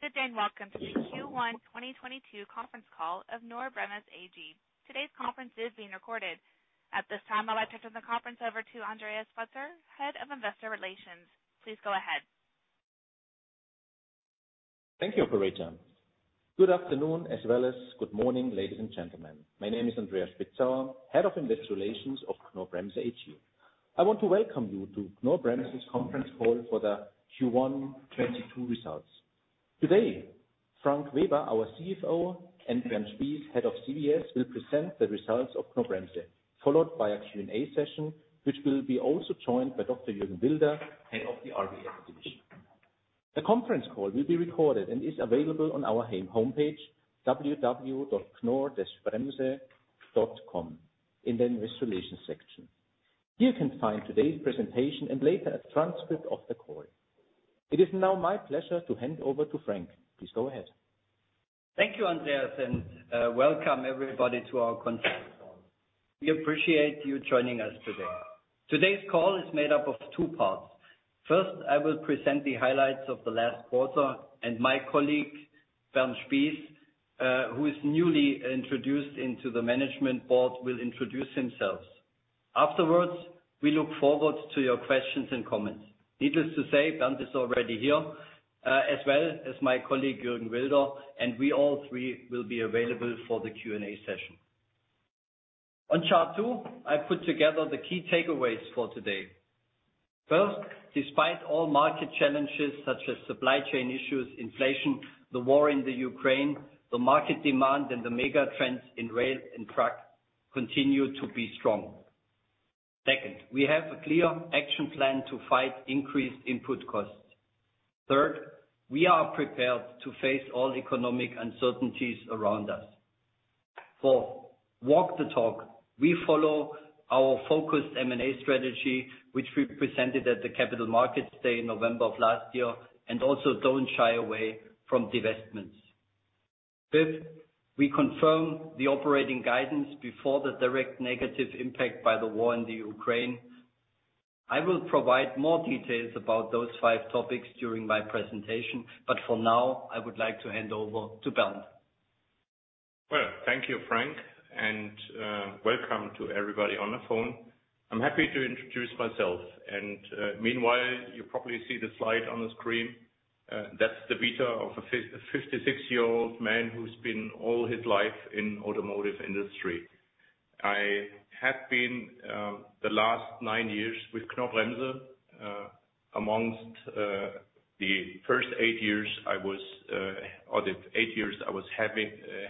Good day and welcome to the Q1 2022 conference call of Knorr-Bremse AG. Today's conference is being recorded. At this time, I'd like to turn the conference over to Andreas Spitzauer, Head of Investor Relations. Please go ahead. Thank you, operator. Good afternoon, as well as good morning, ladies and gentlemen. My name is Andreas Spitzauer, Head of Investor Relations of Knorr-Bremse AG. I want to welcome you to Knorr-Bremse's conference call for the Q1 2022 results. Today, Frank Weber, our CFO, and Bernd Spies, Head of CVS, will present the results of Knorr-Bremse, followed by a Q&A session, which will be also joined by Dr. Jürgen Wilder, Head of the RVS division. The conference call will be recorded and is available on our homepage, www.knorr-bremse.com in the Investor Relations section. You can find today's presentation and later a transcript of the call. It is now my pleasure to hand over to Frank. Please go ahead. Thank you, Andreas, and welcome everybody to our conference call. We appreciate you joining us today. Today's call is made up of two parts. First, I will present the highlights of the last quarter, and my colleague, Bernd Spies, who is newly introduced into the management board, will introduce himself. Afterwards, we look forward to your questions and comments. Needless to say, Bernd is already here, as well as my colleague, Jürgen Wilder, and we all three will be available for the Q&A session. On chart two, I put together the key takeaways for today. First, despite all market challenges such as supply chain issues, inflation, the war in the Ukraine, the market demand and the mega trends in rail and truck continue to be strong. Second, we have a clear action plan to fight increased input costs. Third, we are prepared to face all economic uncertainties around us. Fourth, walk the talk. We follow our focused M&A strategy, which we presented at the Capital Markets Day in November of last year, and also don't shy away from divestments. Fifth, we confirm the operating guidance before the direct negative impact by the war in the Ukraine. I will provide more details about those five topics during my presentation, but for now, I would like to hand over to Bernd Spies. Well, thank you, Frank, and welcome to everybody on the phone. I'm happy to introduce myself. Meanwhile, you probably see the slide on the screen. That's the vita of a 56-year-old man who's been all his life in automotive industry. I have been the last nine years with Knorr-Bremse. Amongst the first eight years I was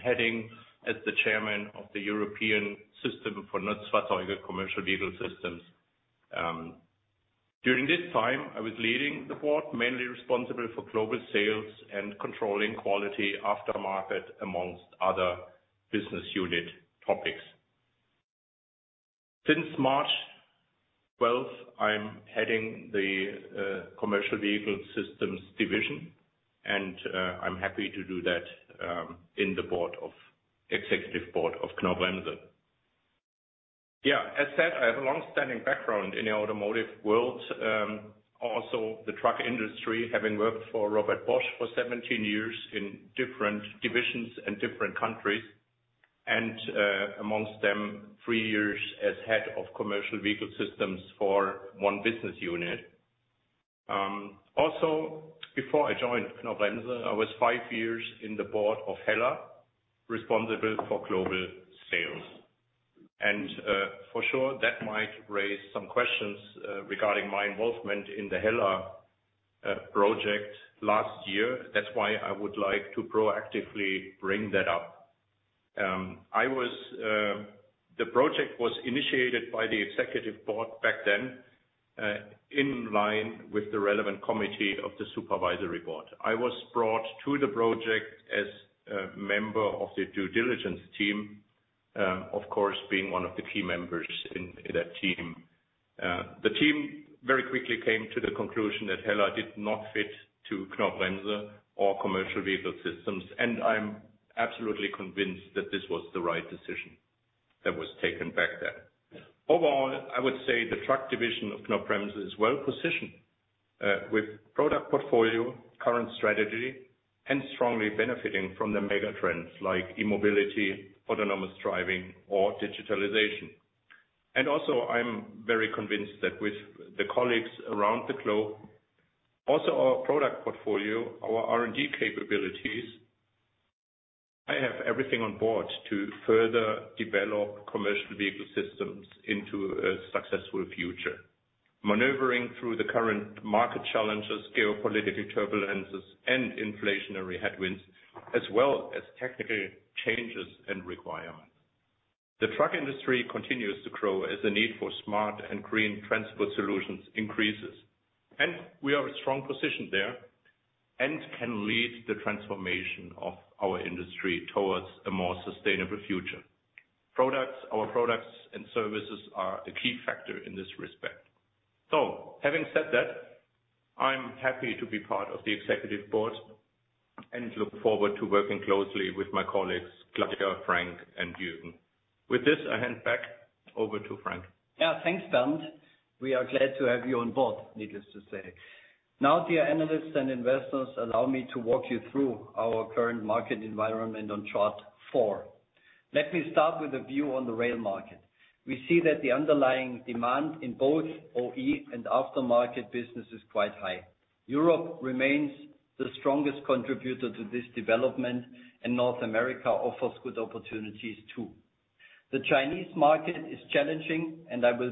heading as the chairman of the European system for Nutzfahrzeuge Commercial Vehicle Systems. During this time, I was leading the board, mainly responsible for global sales and controlling quality aftermarket, amongst other business unit topics. Since March 12th, I'm heading the Commercial Vehicle Systems division, and I'm happy to do that in the executive board of Knorr-Bremse. Yeah, as said, I have a long-standing background in the automotive world, also the truck industry, having worked for Robert Bosch for 17 years in different divisions and different countries. Among them, three years as head of Commercial Vehicle Systems for one business unit. Also, before I joined Knorr-Bremse, I was five years in the board of HELLA, responsible for global sales. For sure, that might raise some questions, regarding my involvement in the HELLA project last year. That's why I would like to proactively bring that up. The project was initiated by the executive board back then, in line with the relevant committee of the supervisory board. I was brought to the project as a member of the due diligence team, of course, being one of the key members in that team. The team very quickly came to the conclusion that HELLA did not fit to Knorr-Bremse or Commercial Vehicle Systems, and I'm absolutely convinced that this was the right decision that was taken back then. Overall, I would say the truck division of Knorr-Bremse is well-positioned, with product portfolio, current strategy, and strongly benefiting from the mega trends like e-mobility, autonomous driving or digitalization. Also I'm very convinced that with the colleagues around the globe, also our product portfolio, our R&D capabilities, I have everything on board to further develop Commercial Vehicle Systems into a successful future. Maneuvering through the current market challenges, geopolitical turbulences and inflationary headwinds, as well as technical changes and requirements. The truck industry continues to grow as the need for smart and green transport solutions increases. We are in a strong position there and can lead the transformation of our industry towards a more sustainable future. Our products and services are a key factor in this respect. Having said that, I'm happy to be part of the Executive Board. I look forward to working closely with my colleagues, Claudia, Frank, and Jürgen. With this, I hand back over to Frank. Yeah, thanks, Bernd. We are glad to have you on board, needless to say. Now, dear analysts and investors, allow me to walk you through our current market environment on chart four. Let me start with a view on the rail market. We see that the underlying demand in both OE and aftermarket business is quite high. Europe remains the strongest contributor to this development, and North America offers good opportunities, too. The Chinese market is challenging, and I will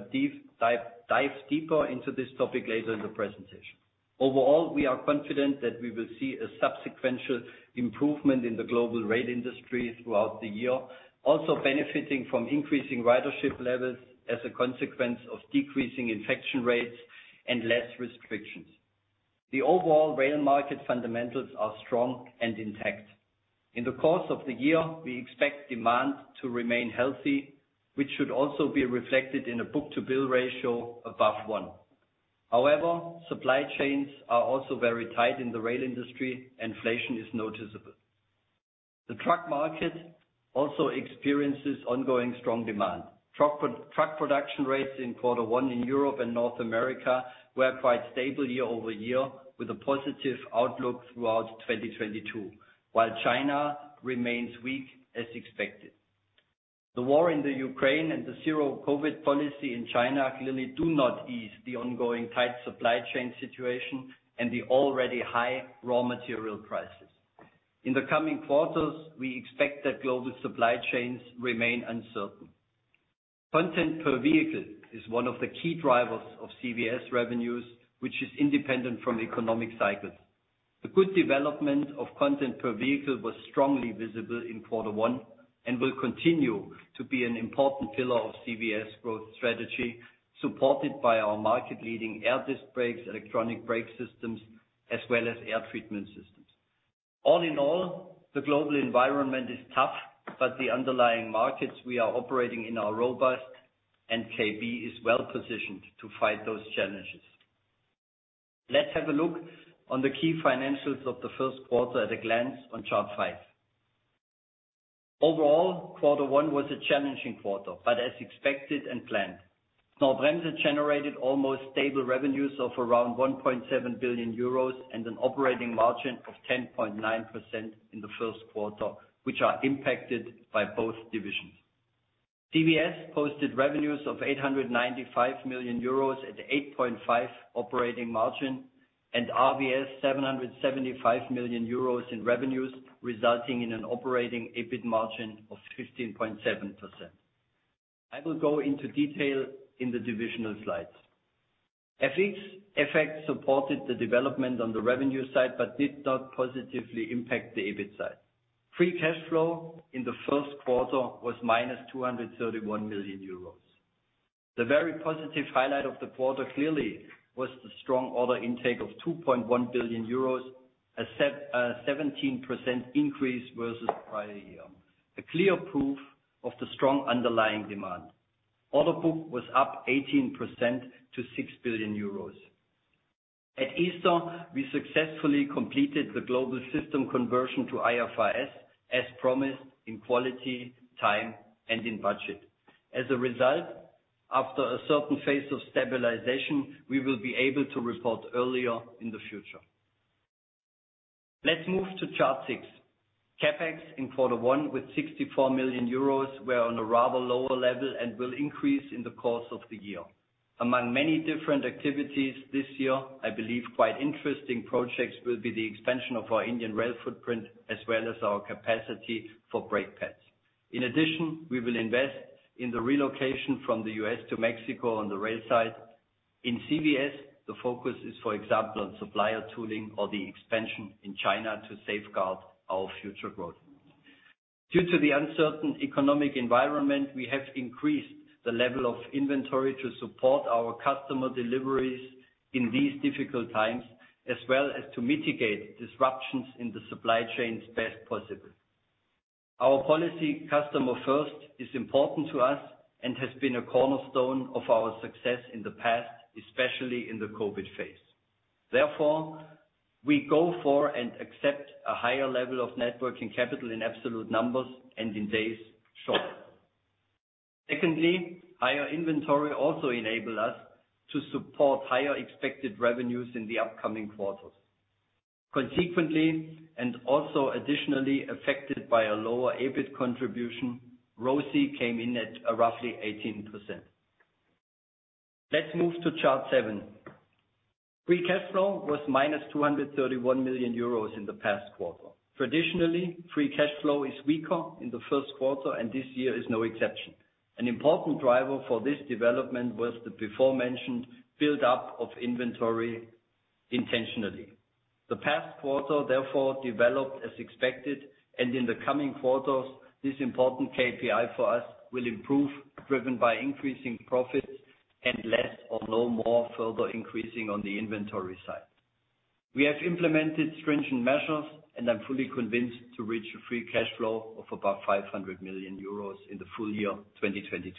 dive deeper into this topic later in the presentation. Overall, we are confident that we will see a substantial improvement in the global rail industry throughout the year, also benefiting from increasing ridership levels as a consequence of decreasing infection rates and less restrictions. The overall rail market fundamentals are strong and intact. In the course of the year, we expect demand to remain healthy, which should also be reflected in a book-to-bill ratio above one. However, supply chains are also very tight in the rail industry. Inflation is noticeable. The truck market also experiences ongoing strong demand. Truck production rates in quarter one in Europe and North America were quite stable year-over-year, with a positive outlook throughout 2022, while China remains weak as expected. The war in Ukraine and the zero COVID policy in China clearly do not ease the ongoing tight supply chain situation and the already high raw material prices. In the coming quarters, we expect that global supply chains remain uncertain. Content per vehicle is one of the key drivers of CVS revenues, which is independent from economic cycles. The good development of content per vehicle was strongly visible in quarter one and will continue to be an important pillar of CVS growth strategy, supported by our market leading air disc brakes, electronic braking systems, as well as air treatment systems. All in all, the global environment is tough, but the underlying markets we are operating in are robust and KB is well-positioned to fight those challenges. Let's have a look on the key financials of the first quarter at a glance on chart five. Overall, quarter one was a challenging quarter, but as expected and planned. Knorr-Bremse generated almost stable revenues of around 1.7 billion euros and an operating margin of 10.9% in the first quarter, which are impacted by both divisions. CVS posted revenues of 895 million euros at 8.5% operating margin, and RVS 775 million euros in revenues, resulting in an operating EBIT margin of 15.7%. I will go into detail in the divisional slides. FX effect supported the development on the revenue side, but did not positively impact the EBIT side. Free cash flow in the first quarter was -231 million euros. The very positive highlight of the quarter clearly was the strong order intake of 2.1 billion euros, a 17% increase versus prior year. A clear proof of the strong underlying demand. Order book was up 18% to 6 billion euros. At Easter, we successfully completed the global system conversion to IFRS as promised in quality, time, and in budget. As a result, after a certain phase of stabilization, we will be able to report earlier in the future. Let's move to chart six. CapEx in quarter one with 64 million euros were on a rather lower level and will increase in the course of the year. Among many different activities this year, I believe quite interesting projects will be the extension of our Indian rail footprint as well as our capacity for brake pads. In addition, we will invest in the relocation from the U.S. to Mexico on the rail side. In CVS, the focus is, for example, on supplier tooling or the expansion in China to safeguard our future growth. Due to the uncertain economic environment, we have increased the level of inventory to support our customer deliveries in these difficult times, as well as to mitigate disruptions in the supply chains best possible. Our policy, customer first, is important to us and has been a cornerstone of our success in the past, especially in the COVID phase. Therefore, we go for and accept a higher level of net working capital in absolute numbers and in days shorter. Secondly, higher inventory also enable us to support higher expected revenues in the upcoming quarters. Consequently, and also additionally affected by a lower EBIT contribution, ROCE came in at roughly 18%. Let's move to chart seven. Free cash flow was -231 million euros in the past quarter. Traditionally, free cash flow is weaker in the first quarter, and this year is no exception. An important driver for this development was the before mentioned build-up of inventory intentionally. The past quarter, therefore, developed as expected, and in the coming quarters, this important KPI for us will improve, driven by increasing profits and less or no more further increasing on the inventory side. We have implemented stringent measures, and I'm fully convinced to reach a free cash flow of about 500 million euros in the full year 2022.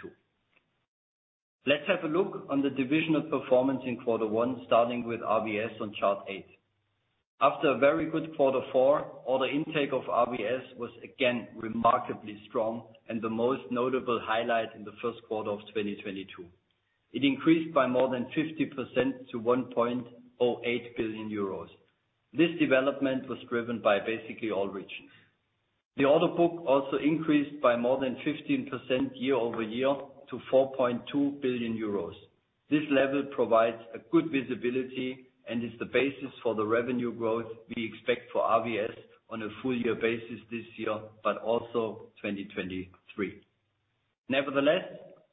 Let's have a look at the divisional performance in quarter one, starting with RVS on chart eight. After a very good quarter four, order intake of RVS was again remarkably strong and the most notable highlight in the first quarter of 2022. It increased by more than 50% to 1.08 billion euros. This development was driven by basically all regions. The order book also increased by more than 15% year-over-year to 4.2 billion euros. This level provides a good visibility and is the basis for the revenue growth we expect for RVS on a full year basis this year, but also 2023. Nevertheless,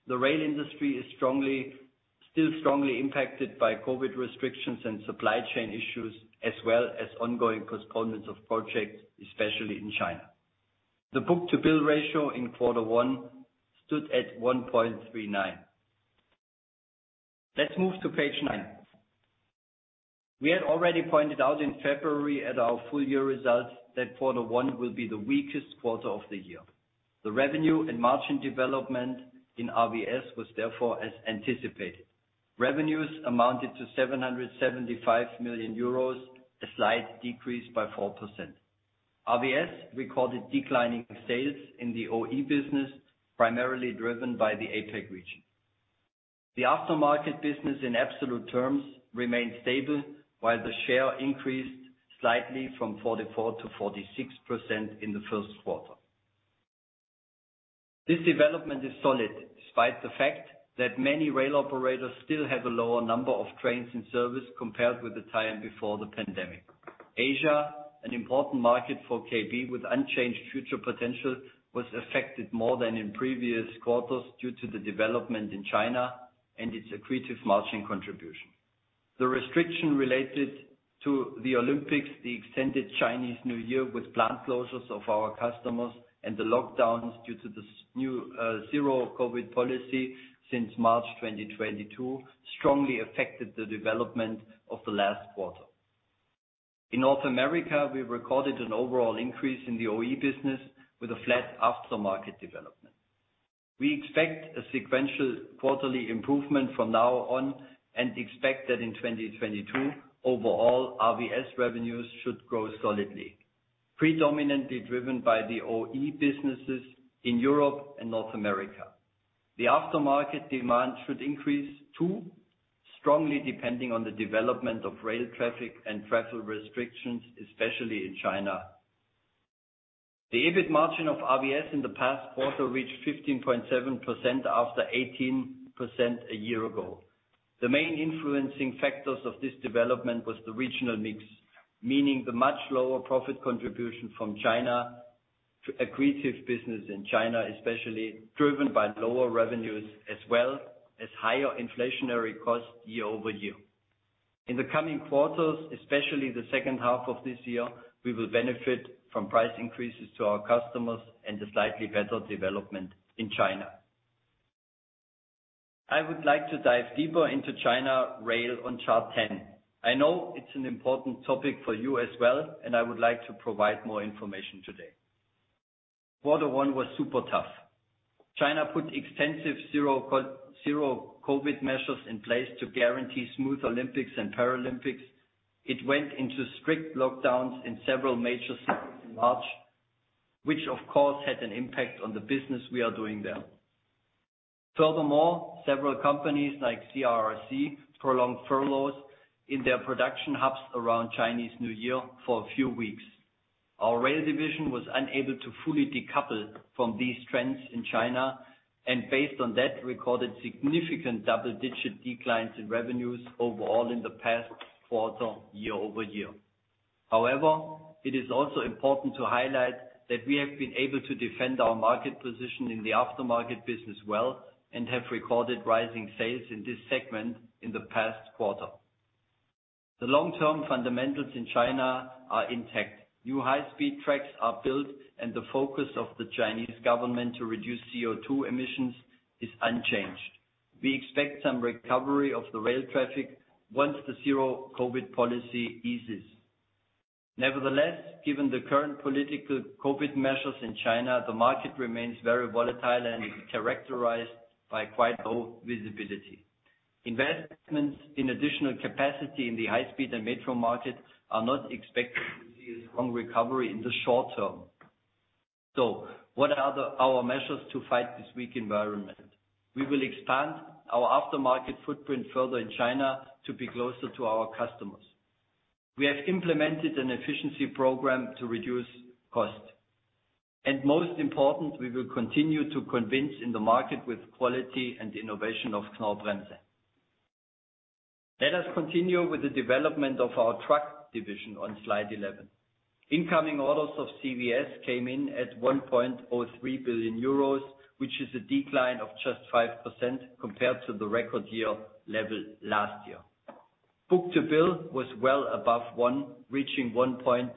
the rail industry is strongly, still strongly impacted by COVID restrictions and supply chain issues, as well as ongoing postponements of projects, especially in China. The book-to-bill ratio in quarter one stood at 1.39. Let's move to page nine. We had already pointed out in February at our full year results that quarter one will be the weakest quarter of the year. The revenue and margin development in RVS was therefore as anticipated. Revenues amounted to 775 million euros, a slight decrease by 4%. RVS recorded declining sales in the OE business, primarily driven by the APAC region. The aftermarket business in absolute terms remained stable, while the share increased slightly from 44%-46% in the first quarter. This development is solid despite the fact that many rail operators still have a lower number of trains in service compared with the time before the pandemic. Asia, an important market for KB with unchanged future potential, was affected more than in previous quarters due to the development in China and its accretive margin contribution. The restriction related to the Olympics, the extended Chinese New Year with plant closures of our customers and the lockdowns due to the new zero-COVID policy since March 2022, strongly affected the development of the last quarter. In North America, we recorded an overall increase in the OE business with a flat aftermarket development. We expect a sequential quarterly improvement from now on and expect that in 2022 overall RVS revenues should grow solidly, predominantly driven by the OE businesses in Europe and North America. The aftermarket demand should increase too, strongly depending on the development of rail traffic and travel restrictions, especially in China. The EBIT margin of RVS in the past quarter reached 15.7% after 18% a year ago. The main influencing factors of this development was the regional mix, meaning the much lower profit contribution from China to accretive business in China, especially driven by lower revenues as well as higher inflationary costs year over year. In the coming quarters, especially the second half of this year, we will benefit from price increases to our customers and a slightly better development in China. I would like to dive deeper into China Rail on chart 10. I know it's an important topic for you as well, and I would like to provide more information today. Quarter one was super tough. China put extensive zero-COVID measures in place to guarantee smooth Olympics and Paralympics. It went into strict lockdowns in several major cities in March, which of course had an impact on the business we are doing there. Furthermore, several companies like CRRC prolonged furloughs in their production hubs around Chinese New Year for a few weeks. Our rail division was unable to fully decouple from these trends in China and based on that, recorded significant double-digit declines in revenues overall in the past quarter, year-over-year. However, it is also important to highlight that we have been able to defend our market position in the aftermarket business well and have recorded rising sales in this segment in the past quarter. The long-term fundamentals in China are intact. New high speed tracks are built and the focus of the Chinese government to reduce CO₂ emissions is unchanged. We expect some recovery of the rail traffic once the zero-COVID policy eases. Nevertheless, given the current political COVID measures in China, the market remains very volatile and characterized by quite low visibility. Investments in additional capacity in the high speed and metro market are not expected to see a strong recovery in the short term. What are the, our measures to fight this weak environment? We will expand our aftermarket footprint further in China to be closer to our customers. We have implemented an efficiency program to reduce cost. Most important, we will continue to convince in the market with quality and innovation of Knorr-Bremse. Let us continue with the development of our truck division on slide 11. Incoming orders of CVS came in at 1.03 billion euros, which is a decline of just 5% compared to the record year level last year. Book-to-bill was well above one, reaching 1.15.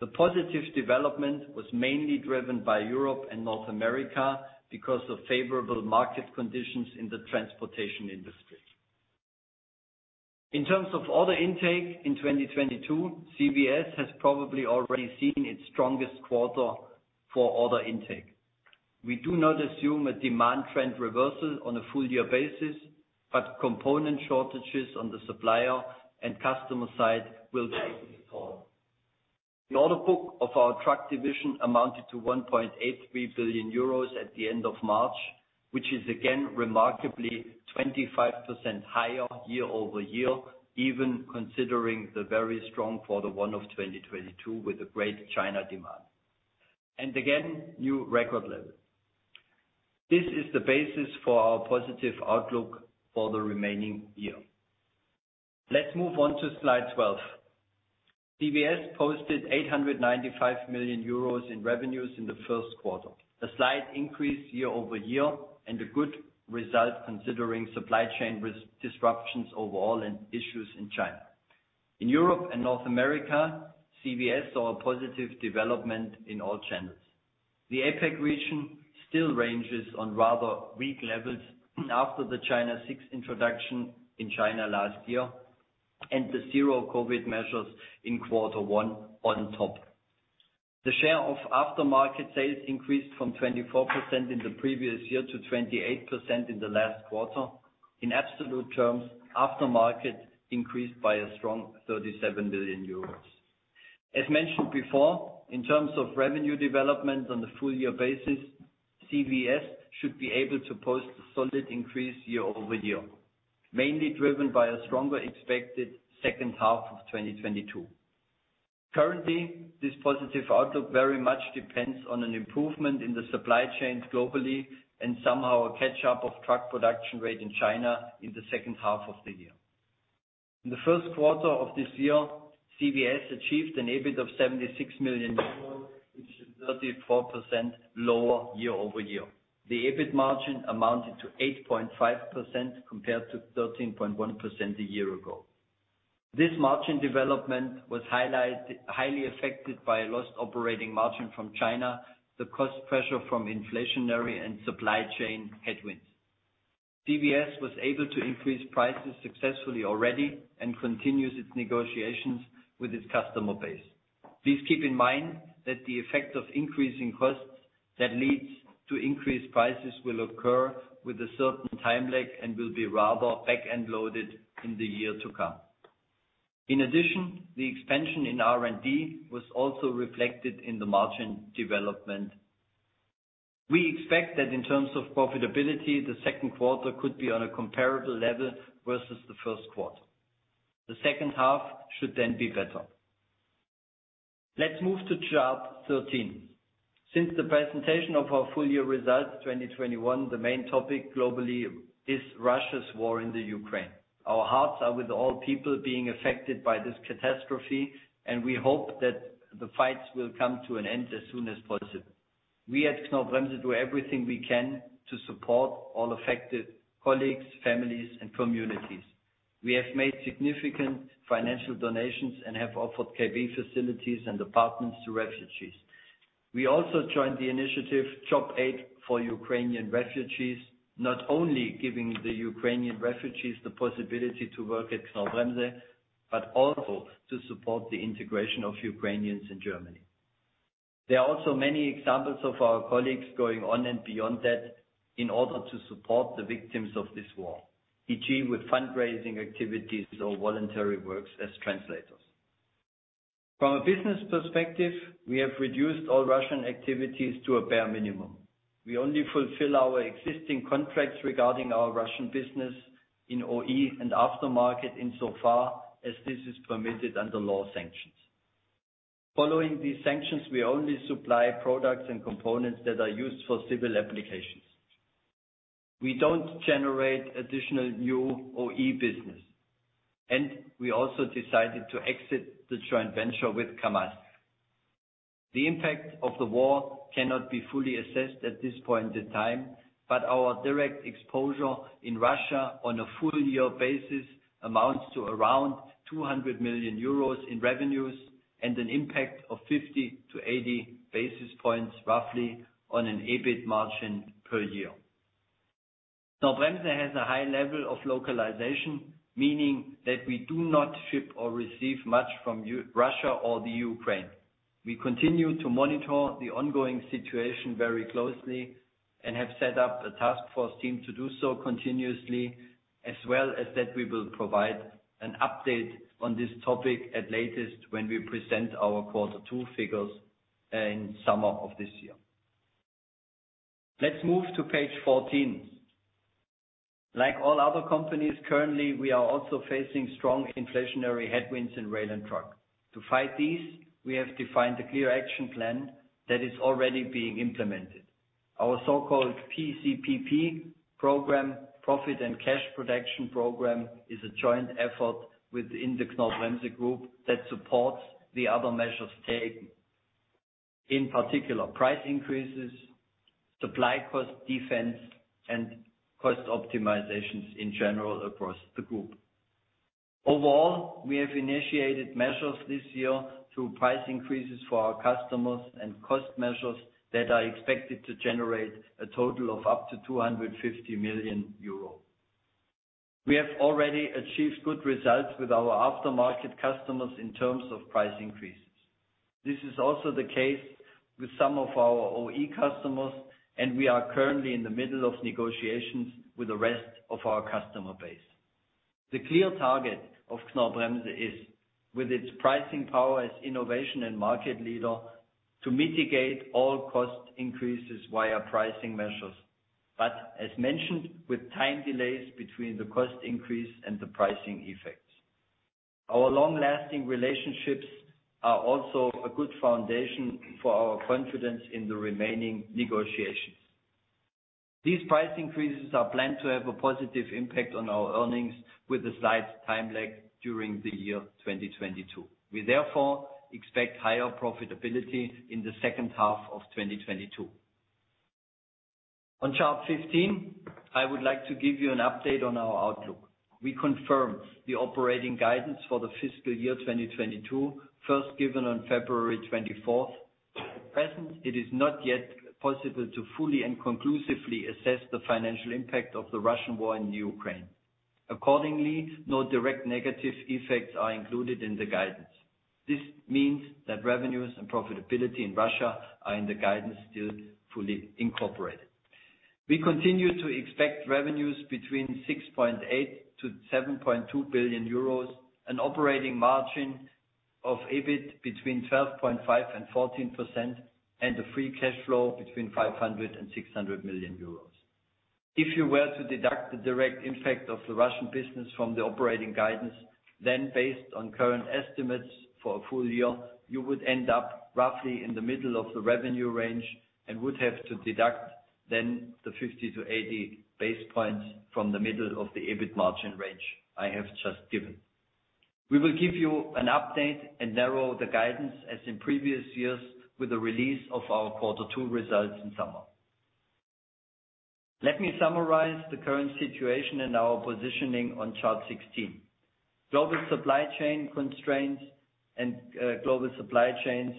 The positive development was mainly driven by Europe and North America because of favorable market conditions in the transportation industry. In terms of order intake in 2022, CVS has probably already seen its strongest quarter for order intake. We do not assume a demand trend reversal on a full year basis, but component shortages on the supplier and customer side will take its toll. The order book of our truck division amounted to 1.83 billion euros at the end of March, which is again remarkably 25% higher year-over-year, even considering the very strong quarter one of 2022 with a great China demand. Again, new record level. This is the basis for our positive outlook for the remaining year. Let's move on to slide 12. CVS posted 895 million euros in revenues in the first quarter, a slight increase year-over-year and a good result considering supply chain disruptions overall and issues in China. In Europe and North America, CVS saw a positive development in all channels. The APAC region still ranges on rather weak levels after the China VI introduction in China last year and the zero COVID measures in quarter one on top. The share of aftermarket sales increased from 24% in the previous year to 28% in the last quarter. In absolute terms, aftermarket increased by a strong 37 billion euros. As mentioned before, in terms of revenue development on the full year basis, CVS should be able to post a solid increase year-over-year, mainly driven by a stronger expected second half of 2022. Currently, this positive outlook very much depends on an improvement in the supply chains globally and somehow a catch-up of truck production rate in China in the second half of the year. In the first quarter of this year, CVS achieved an EBIT of 76 million euros, which is 34% lower year-over-year. The EBIT margin amounted to 8.5% compared to 13.1% a year ago. This margin development was highly affected by lost operating margin from China, the cost pressure from inflationary and supply chain headwinds. CVS was able to increase prices successfully already and continues its negotiations with its customer base. Please keep in mind that the effect of increasing costs that leads to increased prices will occur with a certain time lag and will be rather back-end loaded in the year to come. In addition, the expansion in R&D was also reflected in the margin development. We expect that in terms of profitability, the second quarter could be on a comparable level versus the first quarter. The second half should then be better. Let's move to chart 13. Since the presentation of our full year results, 2021, the main topic globally is Russia's war in Ukraine. Our hearts are with all people being affected by this catastrophe, and we hope that the fights will come to an end as soon as possible. We at Knorr-Bremse do everything we can to support all affected colleagues, families, and communities. We have made significant financial donations and have offered KB facilities and apartments to refugees. We also joined the initiative Job Aid for Ukrainian Refugees, not only giving the Ukrainian refugees the possibility to work at Knorr-Bremse, but also to support the integration of Ukrainians in Germany. There are also many examples of our colleagues going on and beyond that in order to support the victims of this war, e.g., with fundraising activities or voluntary works as translators. From a business perspective, we have reduced all Russian activities to a bare minimum. We only fulfill our existing contracts regarding our Russian business in OE and aftermarket insofar as this is permitted under legal sanctions. Following these sanctions, we only supply products and components that are used for civil applications. We don't generate additional new OE business, and we also decided to exit the joint venture with KAMAZ. The impact of the war cannot be fully assessed at this point in time, but our direct exposure in Russia on a full year basis amounts to around 200 million euros in revenues and an impact of 50-80 basis points roughly on an EBIT margin per year. Knorr-Bremse has a high level of localization, meaning that we do not ship or receive much from Russia or the Ukraine. We continue to monitor the ongoing situation very closely and have set up a task force team to do so continuously, as well as that we will provide an update on this topic at latest when we present our quarter two figures in summer of this year. Let's move to page 14. Like all other companies, currently, we are also facing strong inflationary headwinds in rail and truck. To fight these, we have defined a clear action plan that is already being implemented. Our so-called PCPP program, Profit & Cash Protection Program, is a joint effort within the Knorr-Bremse Group that supports the other measures taken, in particular price increases, supply cost defense, and cost optimizations in general across the group. Overall, we have initiated measures this year through price increases for our customers and cost measures that are expected to generate a total of up to 250 million euro. We have already achieved good results with our aftermarket customers in terms of price increases. This is also the case with some of our OE customers, and we are currently in the middle of negotiations with the rest of our customer base. The clear target of Knorr-Bremse is with its pricing power as innovation and market leader to mitigate all cost increases via pricing measures. As mentioned, with time delays between the cost increase and the pricing effects. Our long-lasting relationships are also a good foundation for our confidence in the remaining negotiations. These price increases are planned to have a positive impact on our earnings with a slight time lag during the year 2022. We therefore expect higher profitability in the second half of 2022. On chart 15, I would like to give you an update on our outlook. We confirm the operating guidance for the fiscal year 2022, first given on February 24. At present, it is not yet possible to fully and conclusively assess the financial impact of the Russian war in Ukraine. Accordingly, no direct negative effects are included in the guidance. This means that revenues and profitability in Russia are in the guidance still fully incorporated. We continue to expect revenues between 6.8 billion and 7.2 billion euros, an operating margin of EBIT between 12.5% and 14%, and a free cash flow between 500 million euros and 600 million euros. If you were to deduct the direct impact of the Russian business from the operating guidance, then based on current estimates for a full year, you would end up roughly in the middle of the revenue range and would have to deduct then the 50 to 80 basis points from the middle of the EBIT margin range I have just given. We will give you an update and narrow the guidance as in previous years with the release of our quarter two results in summer. Let me summarize the current situation and our positioning on chart 16. Global supply chain constraints and global supply chains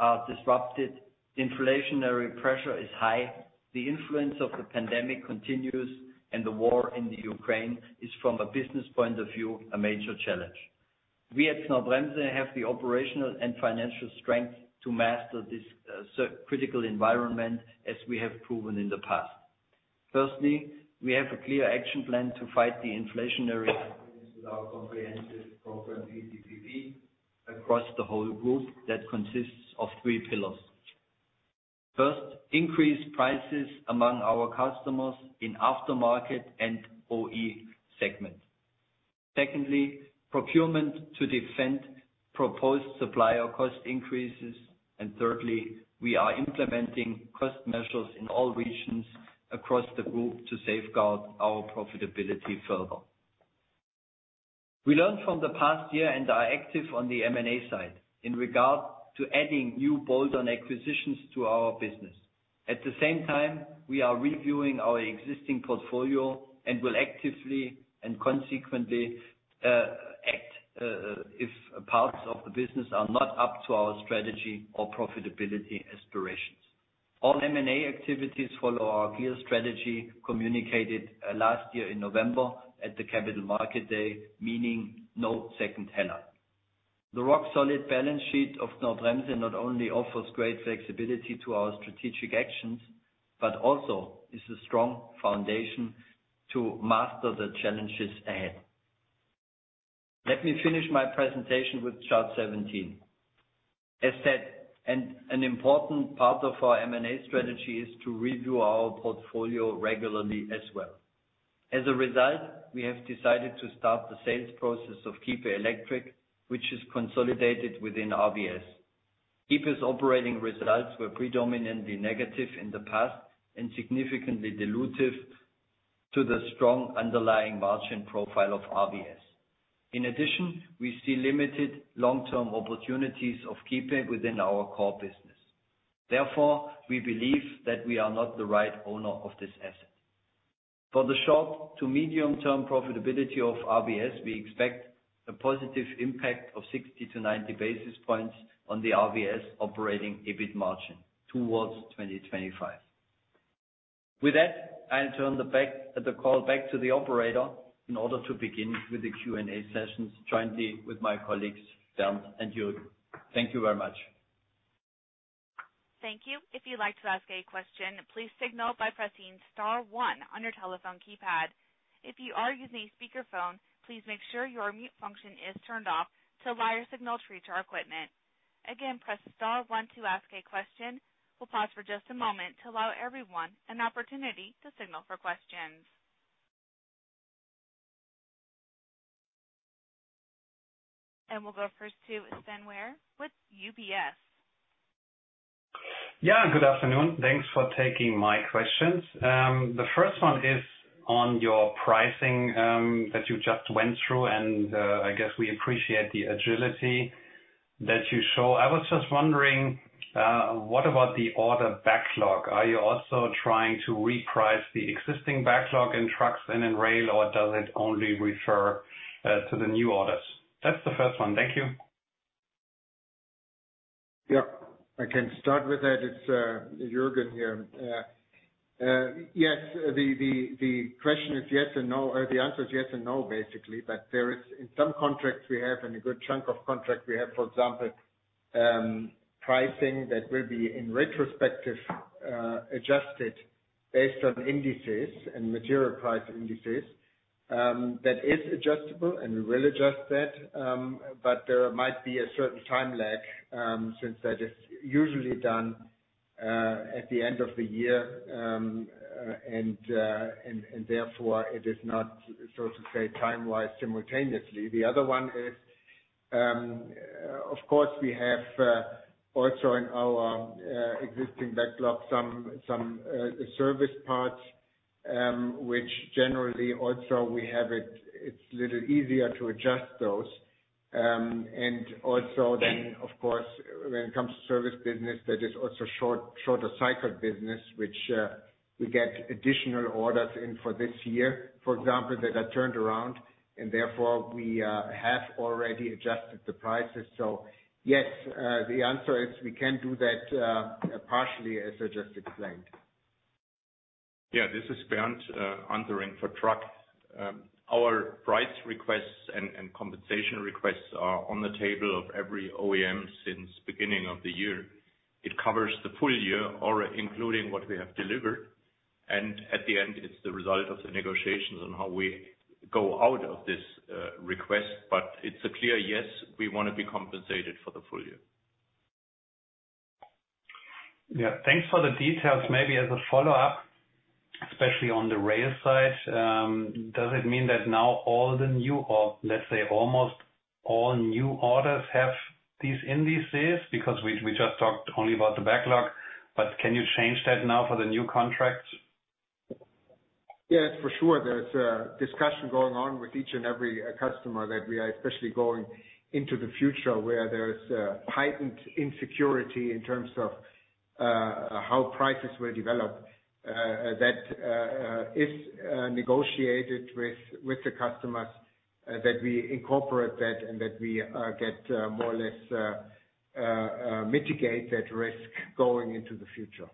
are disrupted. Inflationary pressure is high. The influence of the pandemic continues, and the war in the Ukraine is, from a business point of view, a major challenge. We at Knorr-Bremse have the operational and financial strength to master this so critical environment as we have proven in the past. Firstly, we have a clear action plan to fight inflation with our comprehensive program, PCPP, across the whole group that consists of three pillars. First, increase prices to our customers in aftermarket and OE segments. Secondly, procurement to defend proposed supplier cost increases. Thirdly, we are implementing cost measures in all regions across the group to safeguard our profitability further. We learned from the past year and are active on the M&A side in regard to adding new bolt-on acquisitions to our business. At the same time, we are reviewing our existing portfolio and will actively and consequently act if parts of the business are not up to our strategy or profitability aspirations. All M&A activities follow our clear strategy communicated last year in November at the Capital Markets Day, meaning no second tier. The rock-solid balance sheet of Knorr-Bremse not only offers great flexibility to our strategic actions, but also is a strong foundation to master the challenges ahead. Let me finish my presentation with chart 17. As said, an important part of our M&A strategy is to review our portfolio regularly as well. As a result, we have decided to start the sales process of Kiepe Electric, which is consolidated within RVS. Kiepe's operating results were predominantly negative in the past and significantly dilutive to the strong underlying margin profile of RVS. In addition, we see limited long-term opportunities of Kiepe within our core business. Therefore, we believe that we are not the right owner of this asset. For the short to medium-term profitability of RVS, we expect a positive impact of 60-90 basis points on the RVS operating EBIT margin towards 2025. With that, I'll turn the call back to the operator in order to begin with the Q&A sessions jointly with my colleagues, Bernd and Jürgen. Thank you very much. Thank you. If you'd like to ask a question, please signal by pressing star one on your telephone keypad. If you are using a speakerphone, please make sure your mute function is turned off to allow your signal to reach our equipment. Again, press star one to ask a question. We'll pause for just a moment to allow everyone an opportunity to signal for questions. We'll go first to Sven Weier with UBS. Yeah, good afternoon. Thanks for taking my questions. The first one is on your pricing, that you just went through, and I guess we appreciate the agility that you show. I was just wondering, what about the order backlog? Are you also trying to reprice the existing backlog in trucks and in rail, or does it only refer to the new orders? That's the first one. Thank you. Yeah, I can start with that. It's Jürgen here. Yes. The question is yes and no. The answer is yes and no, basically. There is in some contracts we have and a good chunk of contract we have, for example, pricing that will be retrospectively adjusted based on indices and material price indices, that is adjustable, and we will adjust that. There might be a certain time lag, since that is usually done at the end of the year. Therefore it is not, so to say, time-wise simultaneously. The other one is, of course, we have also in our existing backlog some service parts, which generally also we have it. It's a little easier to adjust those. When it comes to service business, that is also shorter cycle business, which we get additional orders in for this year, for example, that are turned around and therefore we have already adjusted the prices. Yes, the answer is we can do that partially, as I just explained. Yeah, this is Bernd answering for Truck. Our price requests and compensation requests are on the table of every OEM since beginning of the year. It covers the full year or including what we have delivered, and at the end it's the result of the negotiations on how we go out of this request. It's a clear yes, we wanna be compensated for the full year. Yeah. Thanks for the details. Maybe as a follow-up, especially on the rail side, does it mean that now all the new or let's say almost all new orders have these indices? Because we just talked only about the backlog, but can you change that now for the new contracts? Yes, for sure. There's a discussion going on with each and every customer that we are especially going into the future where there's a heightened uncertainty in terms of how prices will develop that is negotiated with the customers that we incorporate that and that we get more or less mitigate that risk going into the future.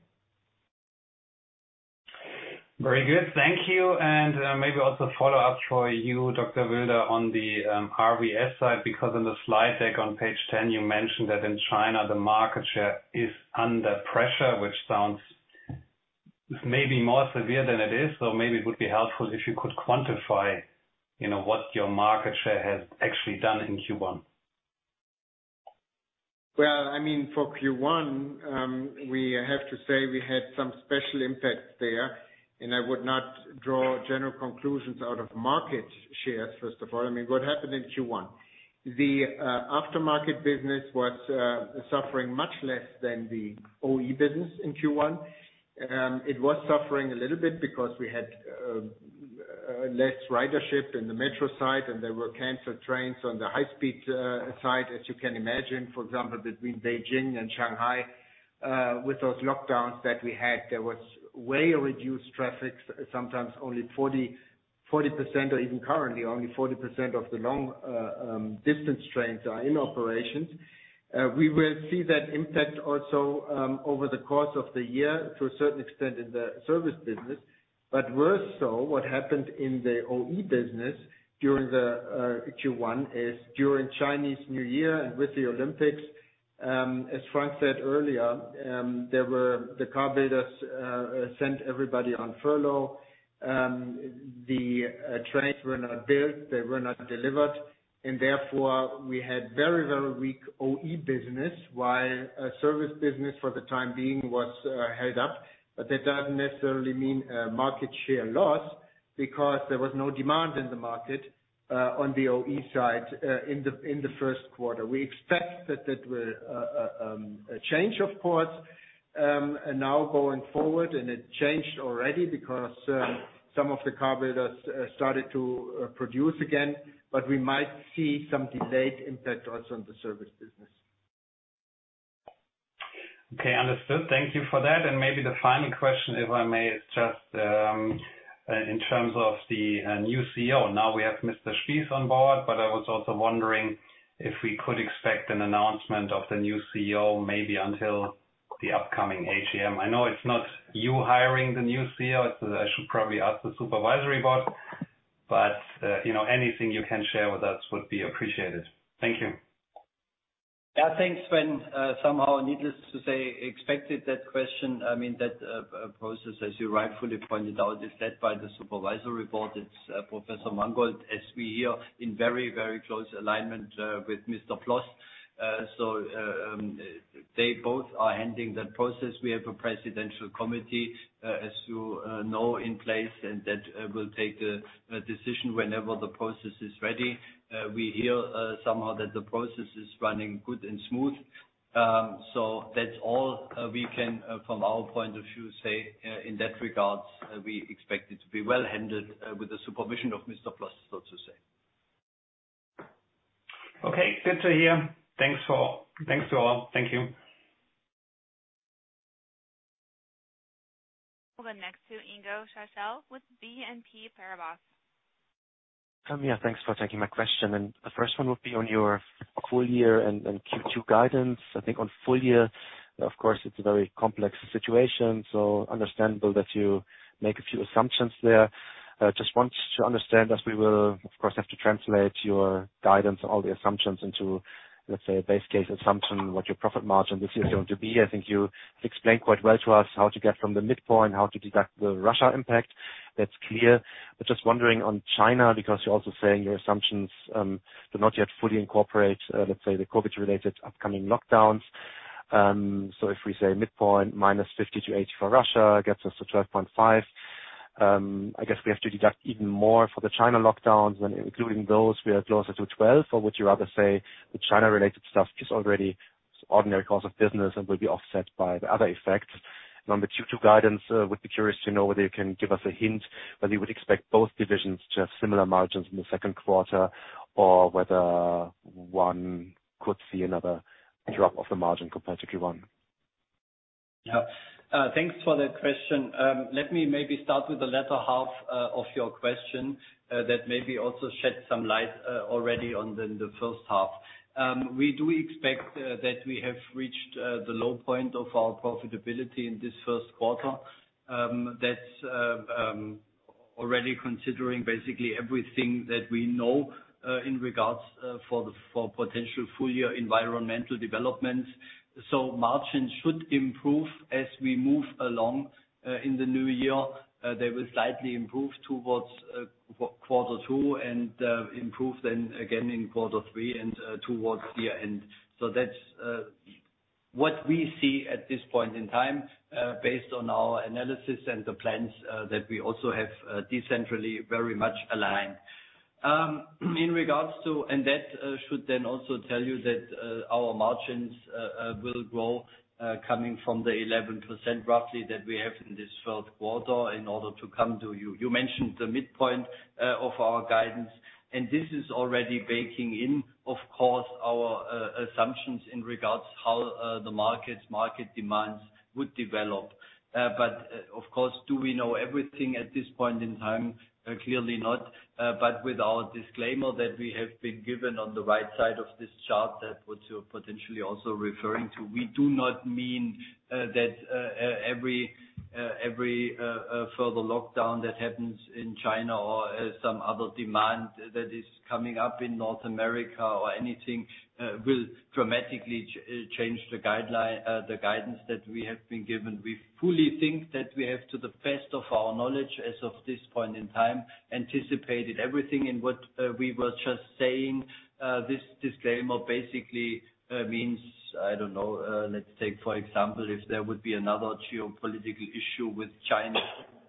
Very good. Thank you. Maybe also follow up for you, Dr. Wilder, on the RVS side, because on the slide deck on page 10, you mentioned that in China the market share is under pressure, which sounds maybe more severe than it is. Maybe it would be helpful if you could quantify, you know, what your market share has actually done in Q1. Well, I mean, for Q1, we have to say we had some special impacts there, and I would not draw general conclusions out of market shares, first of all. I mean, what happened in Q1? The aftermarket business was suffering much less than the OE business in Q1. It was suffering a little bit because we had less ridership in the metro side and there were canceled trains on the high speed side. As you can imagine, for example, between Beijing and Shanghai, with those lockdowns that we had, there was way reduced traffic, sometimes only 40% or even currently only 40% of the long distance trains are in operations. We will see that impact also over the course of the year to a certain extent in the service business. Worse so what happened in the OE business during the Q1 is during Chinese New Year and with the Olympics, as Frank said earlier, there were the car builders sent everybody on furlough. The trains were not built, they were not delivered, and therefore we had very weak OE business while service business for the time being was held up. That doesn't necessarily mean a market share loss because there was no demand in the market on the OE side in the first quarter. We expect that will change of course now going forward. It changed already because some of the car builders started to produce again, but we might see some delayed impact also on the service business. Okay, understood. Thank you for that. Maybe the final question, if I may, is just in terms of the new CEO. Now we have Mr. Spies on board, but I was also wondering if we could expect an announcement of the new CEO maybe until the upcoming AGM. I know it's not you hiring the new CEO. I should probably ask the supervisory board. You know, anything you can share with us would be appreciated. Thank you. Yeah, thanks. Well, I somehow, needless to say, expected that question. I mean, that process, as you rightfully pointed out, is led by the supervisory board. It's Professor Mangold, as we hear, in very, very close alignment with Mr. Ploss. They both are handling that process. We have a presidential committee, as you know, in place, and that will take a decision whenever the process is ready. We hear somehow that the process is running good and smooth. That's all we can from our point of view say in that regards. We expect it to be well handled with the supervision of Mr. Ploss, so to say. Okay. Good to hear. Thanks to all. Thank you. The next is Ingo Schachel with BNP Paribas. Yeah, thanks for taking my question. The first one would be on your full year and Q2 guidance. I think on full year, of course, it's a very complex situation, so understandable that you make a few assumptions there. Just want to understand, as we will, of course, have to translate your guidance, all the assumptions into, let's say, a base case assumption, what your profit margin this year is going to be. I think you explained quite well to us how to get from the midpoint, how to deduct the Russia impact. That's clear. Just wondering on China, because you're also saying your assumptions do not yet fully incorporate, let's say, the COVID-related upcoming lockdowns. If we say midpoint minus 50-80 basis point for Russia gets us to 12.5%, I guess we have to deduct even more for the China lockdowns, and including those, we are closer to 12%. Would you rather say the China-related stuff is already ordinary course of business and will be offset by the other effects? On the Q2 guidance, would be curious to know whether you can give us a hint whether you would expect both divisions to have similar margins in the second quarter or whether one could see another drop of the margin compared to Q1? Yeah, thanks for that question. Let me maybe start with the latter half of your question that maybe also shed some light already on the first half. We do expect that we have reached the low point of our profitability in this first quarter. That's already considering basically everything that we know in regards for potential full-year environmental developments. Margins should improve as we move along in the new year. They will slightly improve towards quarter two and improve then again in quarter three and towards the end. That's what we see at this point in time based on our analysis and the plans that we also have decentrally very much aligned. That should then also tell you that our margins will grow coming from the 11% roughly that we have in this third quarter in order to come to you. You mentioned the midpoint of our guidance, and this is already baking in, of course, our assumptions in regards to how the market demands would develop. Of course, do we know everything at this point in time? Clearly not. With our disclaimer that we have been given on the right side of this chart, that what you're potentially also referring to, we do not mean that every further lockdown that happens in China or some other demand that is coming up in North America or anything will dramatically change the guideline. The guidance that we have been given. We fully think that we have, to the best of our knowledge as of this point in time, anticipated everything in what we were just saying. This disclaimer basically means, I don't know, let's say for example, if there would be another geopolitical issue with China,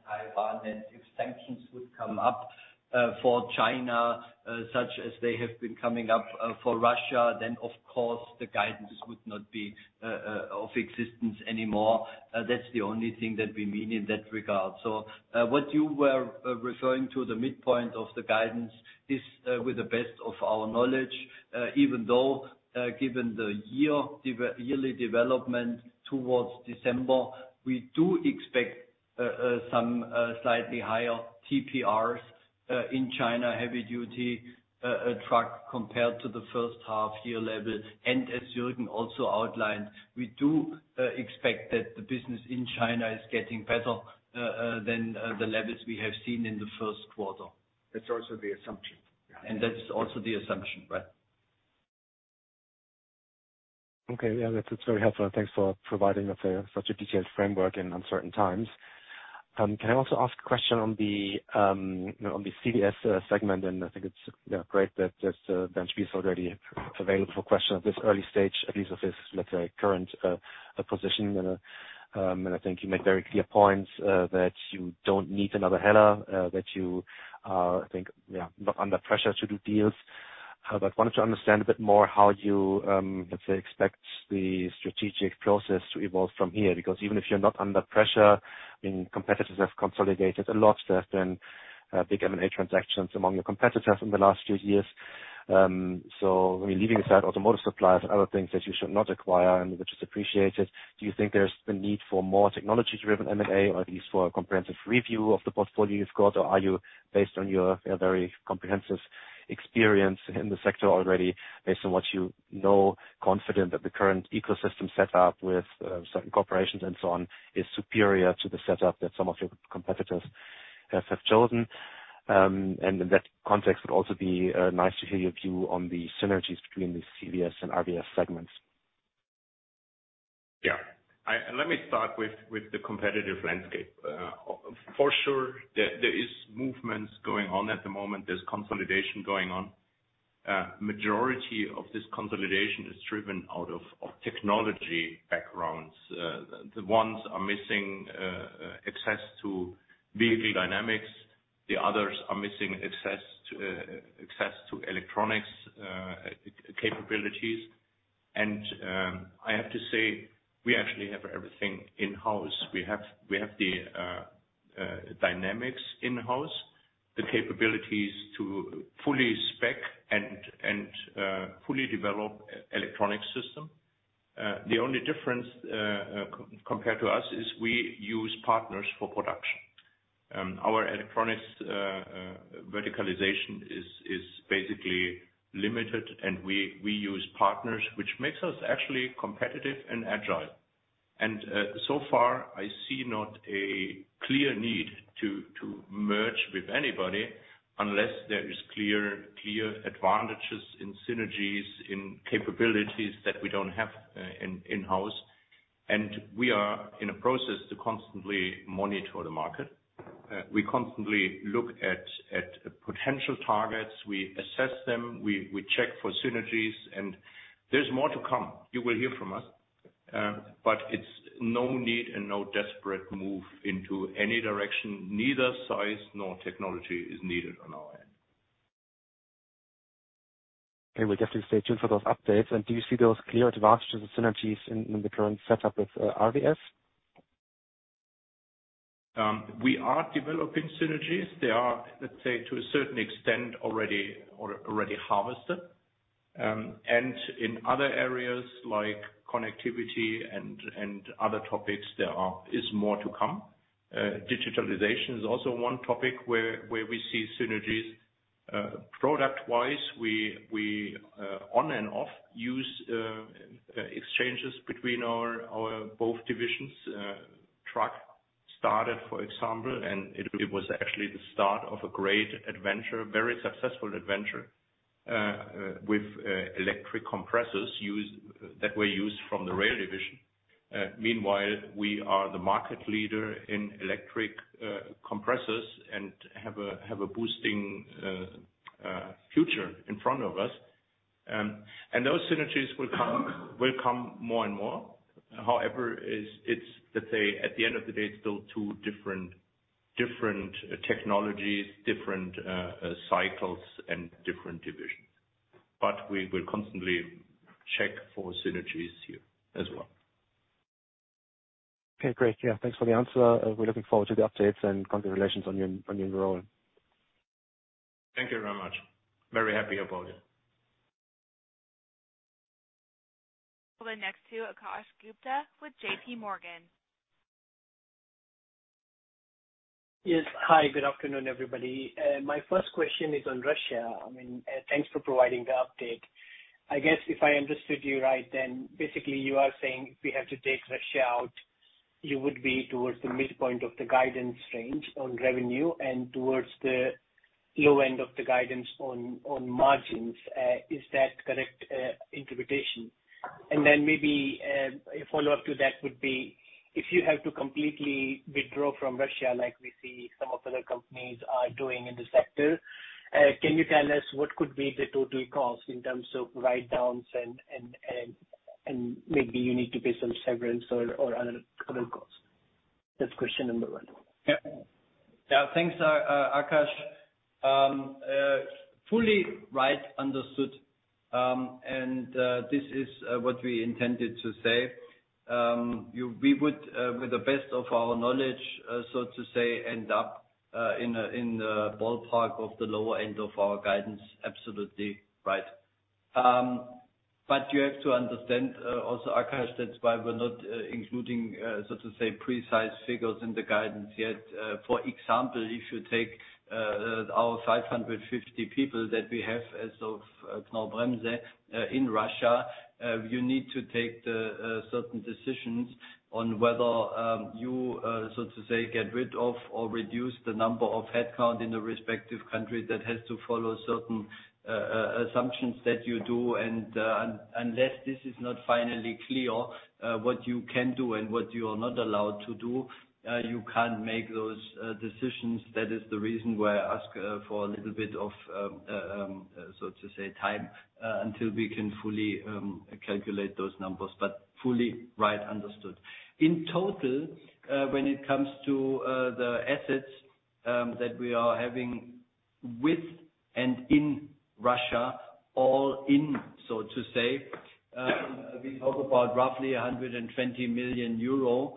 Taiwan, and if sanctions would come up for China, such as they have been coming up for Russia, then of course the guidance would not be in existence anymore. That's the only thing that we mean in that regard. What you were referring to, the midpoint of the guidance is, with the best of our knowledge, even though, given the yearly development towards December, we do expect some slightly higher TPRs in China heavy-duty truck compared to the first half-year levels. As Jürgen also outlined, we do expect that the business in China is getting better than the levels we have seen in the first quarter. That's also the assumption. That's also the assumption, right. Okay. Yeah, that's very helpful, and thanks for providing us with such a detailed framework in uncertain times. Can I also ask a question on the CVS segment? I think it's great that Bernd Spies is already available for questions at this early stage, at least of his current position. I think you made very clear points that you don't need another HELLA. That you are, I think, not under pressure to do deals. But I wanted to understand a bit more how you, let's say, expect the strategic process to evolve from here. Because even if you're not under pressure, I mean, competitors have consolidated a lot. There have been big M&A transactions among your competitors in the last few years. I mean, leaving aside automotive suppliers and other things that you should not acquire and which is appreciated, do you think there's the need for more technology-driven M&A or at least for a comprehensive review of the portfolio you've got? Or are you, based on your very comprehensive experience in the sector already, based on what you know, confident that the current ecosystem set up with certain corporations and so on is superior to the setup that some of your competitors have chosen? And in that context, it would also be nice to hear your view on the synergies between the CVS and RVS segments. Yeah. Let me start with the competitive landscape. For sure, there is movements going on at the moment. There's consolidation going on. Majority of this consolidation is driven out of technology backgrounds. The ones are missing access to vehicle dynamics. The others are missing access to electronics capabilities. I have to say, we actually have everything in-house. We have the dynamics in-house, the capabilities to fully spec and fully develop electronic system. The only difference compared to us is we use partners for production. Our electronics verticalization is basically limited, and we use partners, which makes us actually competitive and agile. So far, I see not a clear need to merge with anybody unless there is clear advantages in synergies, in capabilities that we don't have, in-house. We are in a process to constantly monitor the market. We constantly look at potential targets. We assess them, we check for synergies, and there's more to come. You will hear from us. It's no need and no desperate move into any direction. Neither size nor technology is needed on our end. Okay. We'll definitely stay tuned for those updates. Do you see those clear advantages and synergies in the current setup with RVS? We are developing synergies. They are, let's say, to a certain extent, already harvested. In other areas like connectivity and other topics, there is more to come. Digitalization is also one topic where we see synergies. Product-wise, we on and off use exchanges between our both divisions. Truck started, for example, and it was actually the start of a great adventure, very successful adventure, with electric compressors that were used from the rail division. Meanwhile, we are the market leader in electric compressors and have a booming future in front of us. Those synergies will come more and more. However, it's, let's say, at the end of the day, it's still two different technologies, different cycles and different divisions. We will constantly check for synergies here as well. Okay, great. Yeah. Thanks for the answer. We're looking forward to the updates and congratulations on your, on your new role. Thank you very much. Very happy about it. We'll go next to Akash Gupta with JPMorgan. Yes. Hi, good afternoon, everybody. My first question is on Russia. I mean, thanks for providing the update. I guess if I understood you right, then basically you are saying if we have to take Russia out, you would be towards the midpoint of the guidance range on revenue and towards the low end of the guidance on margins. Is that correct interpretation? Then maybe a follow-up to that would be if you have to completely withdraw from Russia like we see some other companies are doing in the sector, can you tell us what could be the total cost in terms of write-downs and maybe you need to pay some severance or other current costs? That's question number one. Yeah. Thanks, Akash. Fully right. Understood. This is what we intended to say. We would, with the best of our knowledge, so to say, end up in the ballpark of the lower end of our guidance. Absolutely right. You have to understand, also, Akash, that's why we're not including, so to say, precise figures in the guidance yet. For example, if you take our 550 people that we have as of Knorr-Bremse in Russia, you need to take certain decisions on whether you so to say get rid of or reduce the number of headcount in the respective country that has to follow certain assumptions that you do. Unless this is not finally clear, what you can do and what you are not allowed to do, you can't make those decisions. That is the reason why I ask for a little bit of, so to say, time until we can fully calculate those numbers, but fully right understood. In total, when it comes to the assets that we are having with and in Russia, all in, so to say, we talk about roughly 120 million euro.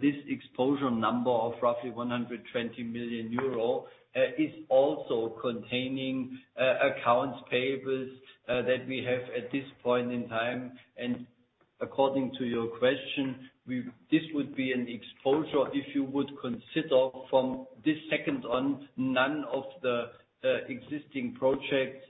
This exposure number of roughly 120 million euro is also containing accounts payables that we have at this point in time. According to your question, this would be an exposure if you would consider from this second on, none of the existing projects,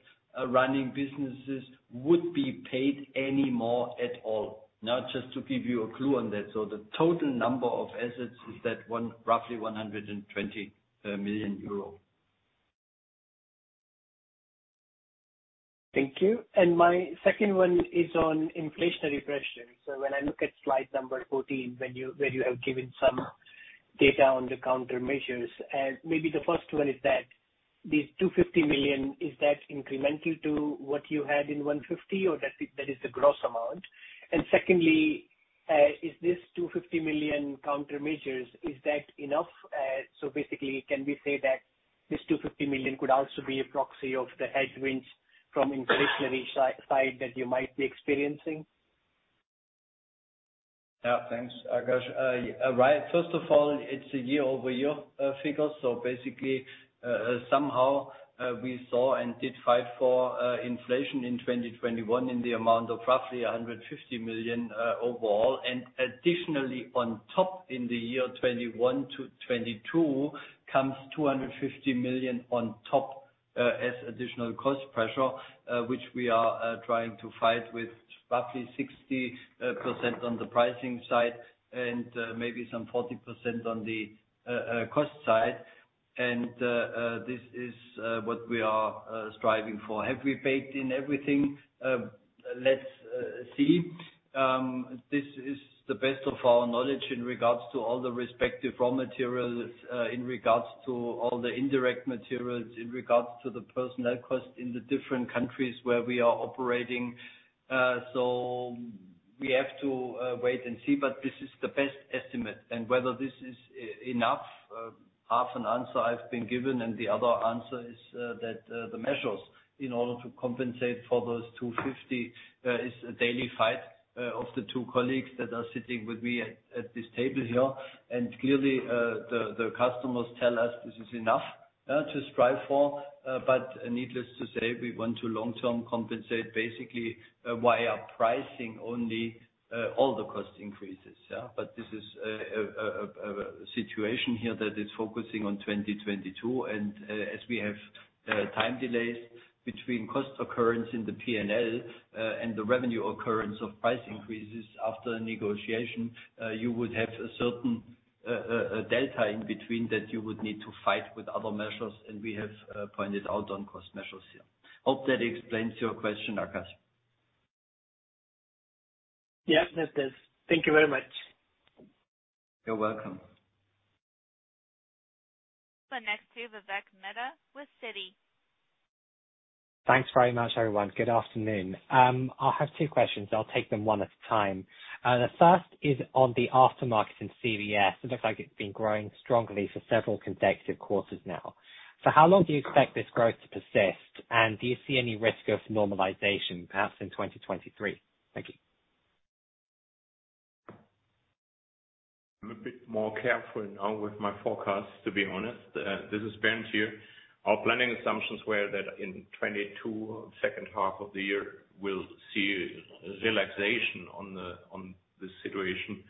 running businesses would be paid any more at all. Now, just to give you a clue on that. The total number of assets is that one, roughly 120 million euro. Thank you. My second one is on inflationary pressure. When I look at slide number 14, when you have given some data on the countermeasures, maybe the first one is that this 250 million, is that incremental to what you had in 150 or that is the gross amount? Secondly, is this 250 million countermeasures, is that enough? Basically, can we say that this 250 million could also be a proxy of the headwinds from inflationary side that you might be experiencing? Yeah, thanks, Akash. Right, first of all, it's a year-over-year figure. Basically, somehow, we saw and did fight for inflation in 2021 in the amount of roughly 150 million overall. Additionally, on top in the year 2021 to 2022 comes 250 million on top as additional cost pressure, which we are trying to fight with roughly 60% on the pricing side and maybe some 40% on the cost side. This is what we are striving for. Have we baked in everything? Let's see. This is the best of our knowledge in regards to all the respective raw materials, in regards to all the indirect materials, in regards to the personnel cost in the different countries where we are operating. We have to wait and see, but this is the best estimate. Whether this is enough, half an answer I've been given, and the other answer is that the measures in order to compensate for those 250 is a daily fight of the two colleagues that are sitting with me at this table here. Clearly, the customers tell us this is enough to strive for. Needless to say, we want to long-term compensate, basically, via pricing only, all the cost increases, yeah. This is a situation here that is focusing on 2022. As we have time delays between cost occurrence in the P&L and the revenue occurrence of price increases after negotiation, you would have a certain delta in between that you would need to fight with other measures, and we have pointed out on cost measures here. Hope that explains your question, Akash. Yes, it does. Thank you very much. You're welcome. The next to Vivek Midha with Citi. Thanks very much, everyone. Good afternoon. I have two questions. I'll take them one at a time. The first is on the aftermarket in CVS. It looks like it's been growing strongly for several consecutive quarters now. How long do you expect this growth to persist, and do you see any risk of normalization, perhaps in 2023? Thank you. I'm a bit more careful now with my forecast, to be honest. This is Bernd here. Our planning assumptions were that in 2022, second half of the year, we'll see relaxation on the situation.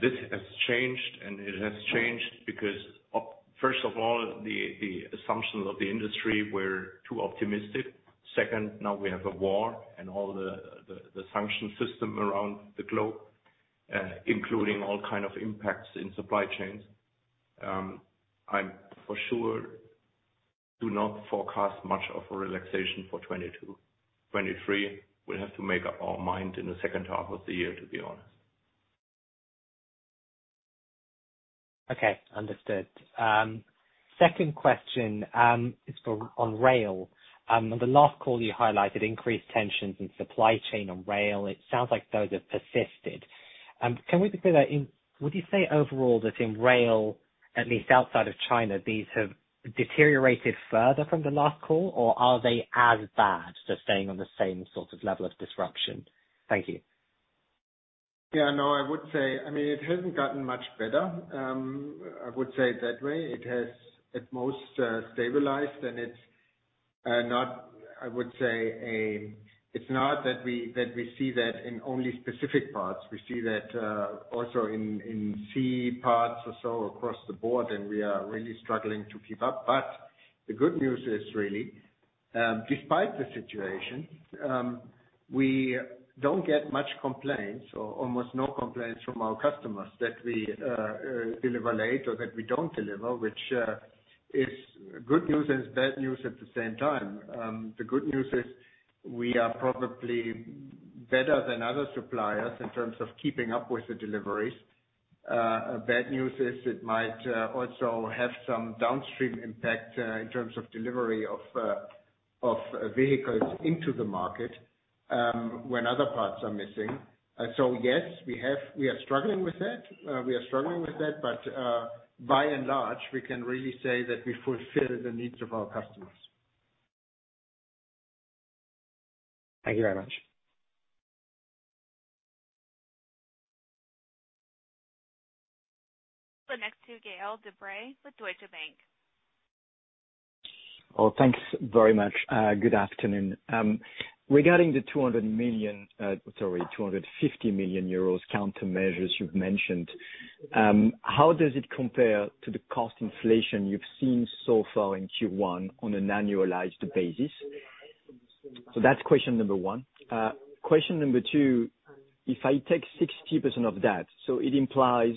This has changed, and it has changed because of, first of all, the assumptions of the industry were too optimistic. Second, now we have a war and all the sanction system around the globe, including all kind of impacts in supply chains. I'm for sure do not forecast much of a relaxation for 2022. 2023, we'll have to make up our mind in the second half of the year, to be honest. Okay. Understood. Second question is on rail. On the last call, you highlighted increased tensions in supply chain on rail. It sounds like those have persisted. Can we be clear? Would you say overall that in rail, at least outside of China, these have deteriorated further from the last call, or are they as bad, just staying on the same sort of level of disruption? Thank you. Yeah, no, I would say. I mean, it hasn't gotten much better. I would say it that way. It has at most stabilized and it's not that we see that in only specific parts. We see that also in C parts or so across the board, and we are really struggling to keep up. The good news is, really, despite the situation, we don't get much complaints or almost no complaints from our customers that we deliver late or that we don't deliver, which is good news and it's bad news at the same time. The good news is we are probably better than other suppliers in terms of keeping up with the deliveries. Bad news is it might also have some downstream impact in terms of delivery of vehicles into the market when other parts are missing. Yes, we are struggling with that, but by and large, we can really say that we fulfill the needs of our customers. Thank you very much. The next to Gael de Bray with Deutsche Bank. Thanks very much. Good afternoon. Regarding the 250 million euros countermeasures you've mentioned, how does it compare to the cost inflation you've seen so far in Q1 on an annualized basis? That's question number one. Question number two, if I take 60% of that, it implies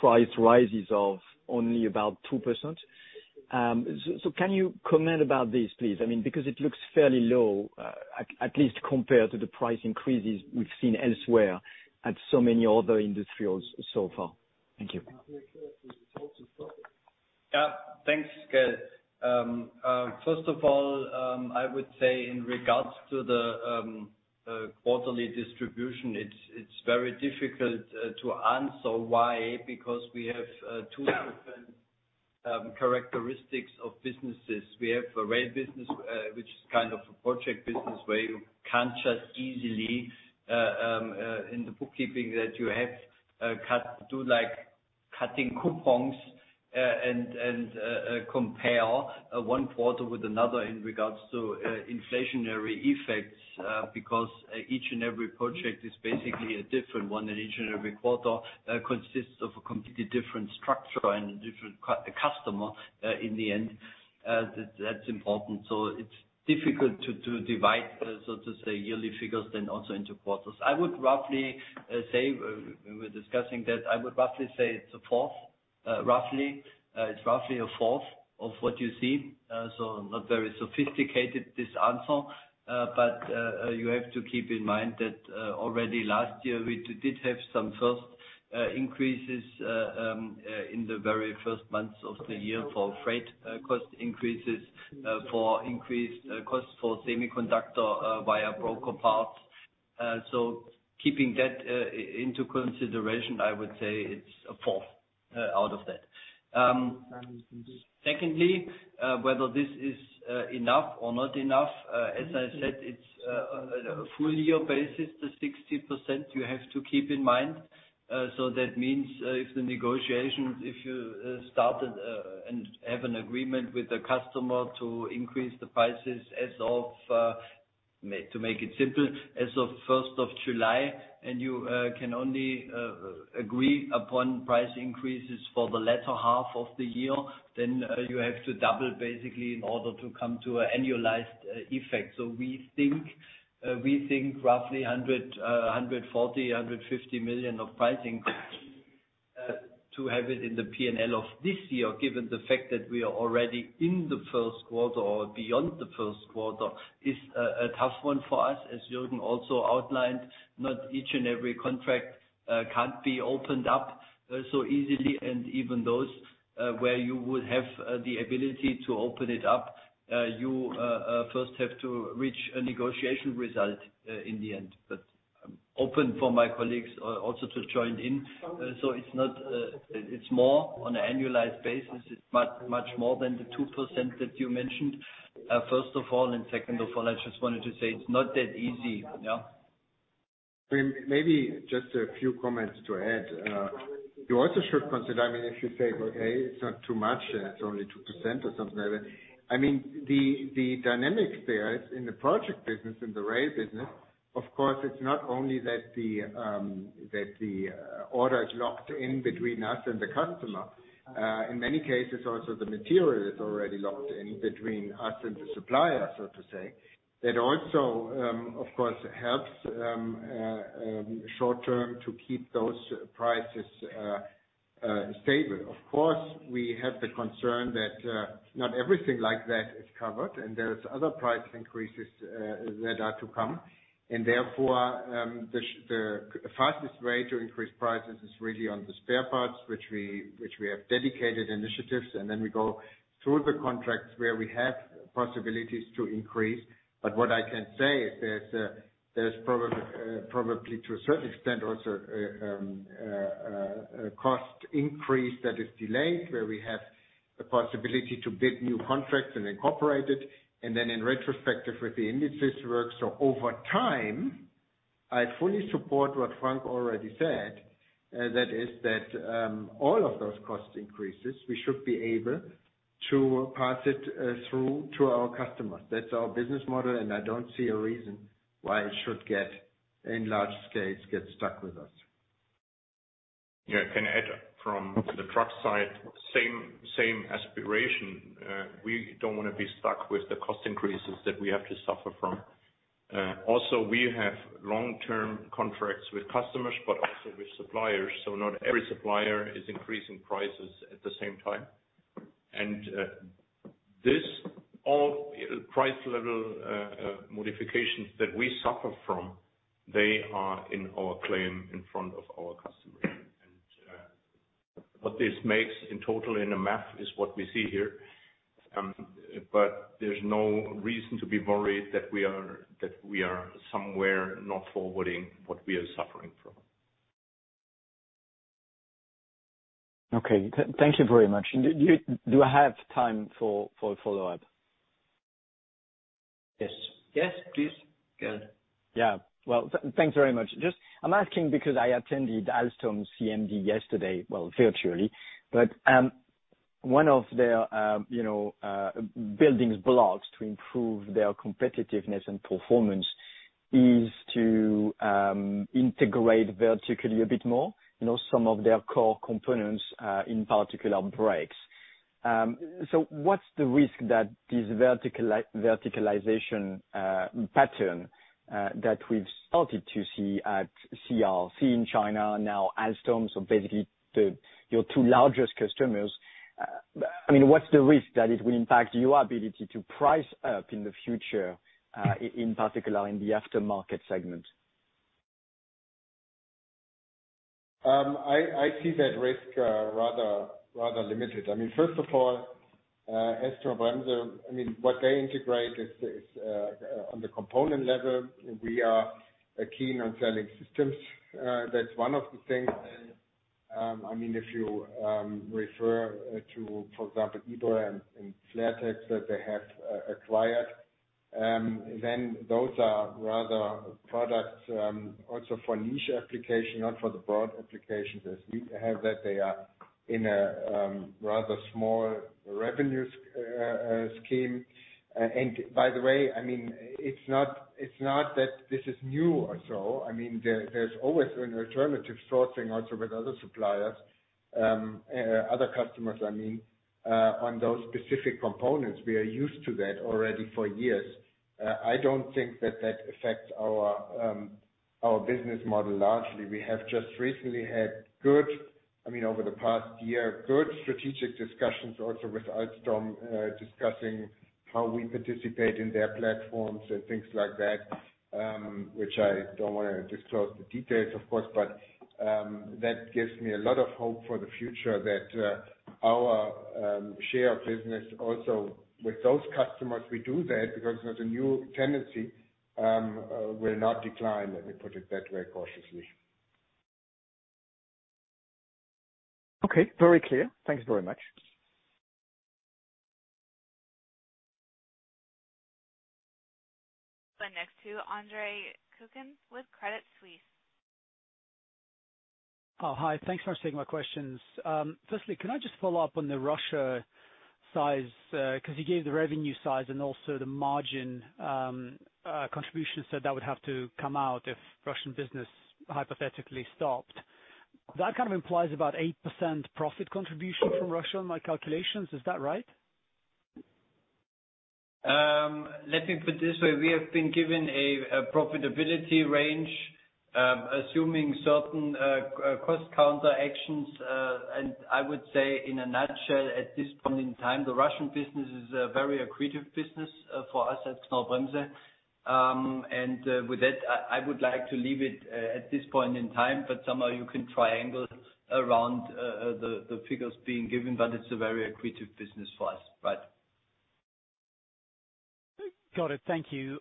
price rises of only about 2%. So can you comment about this, please? I mean, because it looks fairly low, at least compared to the price increases we've seen elsewhere at so many other industrials so far. Thank you. Yeah. Thanks, Gael. First of all, I would say in regards to the quarterly distribution, it's very difficult to answer why, because we have characteristics of businesses. We have a rail business, which is kind of a project business where you can't just easily in the bookkeeping that you have do like cutting coupons, and compare one quarter with another in regards to inflationary effects, because each and every project is basically a different one, and each and every quarter consists of a completely different structure and a different customer in the end. That's important. It's difficult to divide, so to say, yearly figures then also into quarters. I would roughly say it's a fourth, roughly. It's roughly a fourth of what you see. Not very sophisticated, this answer. You have to keep in mind that already last year, we did have some first increases in the very first months of the year for freight cost increases for increased cost for semiconductor via broker parts. Keeping that into consideration, I would say it's a fourth out of that. Secondly, whether this is enough or not enough, as I said, it's a full year basis, the 60% you have to keep in mind. That means if you start and have an agreement with the customer to increase the prices as of, to make it simple, as of July 1, and you can only agree upon price increases for the latter half of the year, then you have to double basically in order to come to an annualized effect. We think roughly 140 million-150 million of pricing to have it in the P&L of this year, given the fact that we are already in the first quarter or beyond the first quarter, is a tough one for us. As Jürgen also outlined, not each and every contract can't be opened up so easily, and even those where you would have the ability to open it up, you first have to reach a negotiation result in the end. But I'm open for my colleagues also to join in. So it's not, it's more on an annualized basis. It's much, much more than the 2% that you mentioned, first of all. Second of all, I just wanted to say it's not that easy. Yeah. Maybe just a few comments to add. You also should consider, I mean, if you say, okay, it's not too much, it's only 2% or something like that. I mean, the dynamics there in the project business, in the rail business, of course, it's not only that the order is locked in between us and the customer. In many cases also the material is already locked in between us and the supplier, so to say. That also, of course, helps short term to keep those prices stable. Of course, we have the concern that not everything like that is covered and there is other price increases that are to come. Therefore, the fastest way to increase prices is really on the spare parts which we have dedicated initiatives, and then we go through the contracts where we have possibilities to increase. What I can say is there's probably to a certain extent, also, a cost increase that is delayed, where we have the possibility to bid new contracts and incorporate it, and then in retrospective with the indices work. Over time, I fully support what Frank already said. That is that, all of those cost increases, we should be able to pass it through to our customers. That's our business model, and I don't see a reason why it should get in large scales stuck with us. Yeah, can I add from the truck side. Same aspiration. We don't wanna be stuck with the cost increases that we have to suffer from. Also, we have long-term contracts with customers, but also with suppliers. Not every supplier is increasing prices at the same time. This all price level modifications that we suffer from, they are in our claim in front of our customers. What this makes in total in the math is what we see here. There's no reason to be worried that we are somewhere not forwarding what we are suffering from. Okay. Thank you very much. Do I have time for a follow-up? Yes. Yes, please. Go ahead. Well, thanks very much. Just I'm asking because I attended Alstom CMD yesterday, well, virtually. One of their building blocks to improve their competitiveness and performance is to integrate vertically a bit more, you know, some of their core components, in particular brakes. What's the risk that this verticalization pattern that we've started to see at CRRC in China now, Alstom, so basically the, your two largest customers, I mean, what's the risk that it will impact your ability to price up in the future, in particular in the aftermarket segment? I see that risk rather limited. I mean, first of all, as Knorr-Bremse, I mean, what they integrate is on the component level, and we are keen on selling systems. That's one of the things. I mean, if you refer to, for example, IBRE and Flertex that they have acquired, then those are rather products also for niche application, not for the broad applications as we have that they are in a rather small revenue scheme. By the way, I mean, it's not that this is new or so. I mean, there's always an alternative sourcing also with other suppliers, other customers I mean, on those specific components. We are used to that already for years. I don't think that affects our business model largely. We have just recently had good, I mean, over the past year, good strategic discussions also with Alstom, discussing how we participate in their platforms and things like that, which I don't wanna disclose the details of course, but that gives me a lot of hope for the future that our share of business also with those customers we do that because there's a new tendency will not decline. Let me put it that way cautiously. Okay, very clear. Thank you very much. The next to Andre Kukhnin with Credit Suisse. Oh, hi. Thanks for taking my questions. Firstly, can I just follow up on the Russia size, 'cause you gave the revenue size and also the margin, contribution, so that would have to come out if Russian business hypothetically stopped. That kind of implies about 8% profit contribution from Russia in my calculations. Is that right? Let me put it this way. We have been given a profitability range, assuming certain cost counter actions, and I would say in a nutshell, at this point in time, the Russian business is a very accretive business for us at Knorr-Bremse. With that, I would like to leave it at this point in time, but somehow you can triangle around the figures being given, but it's a very accretive business for us. Right. Got it. Thank you.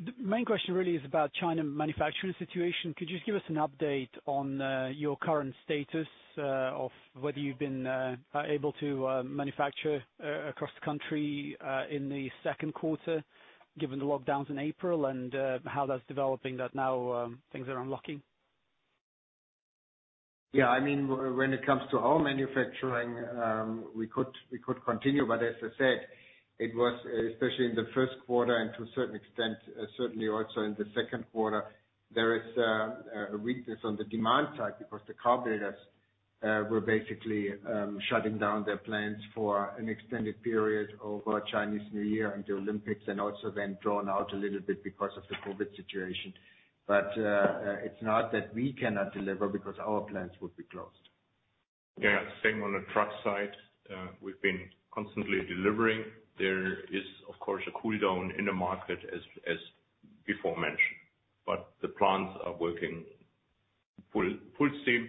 The main question really is about China manufacturing situation. Could you just give us an update on your current status of whether you've been able to manufacture across the country in the second quarter, given the lockdowns in April and how that's developing and now things are unlocking? Yeah. I mean, when it comes to our manufacturing, we could continue. As I said, it was especially in the first quarter and to a certain extent certainly also in the second quarter there is a weakness on the demand side because the car builders were basically shutting down their plants for an extended period over Chinese New Year and the Olympics, and also then drawn out a little bit because of the COVID situation. It's not that we cannot deliver because our plants would be closed. Yeah. Same on the truck side. We've been constantly delivering. There is, of course, a cool down in the market as before mentioned, but the plants are working full steam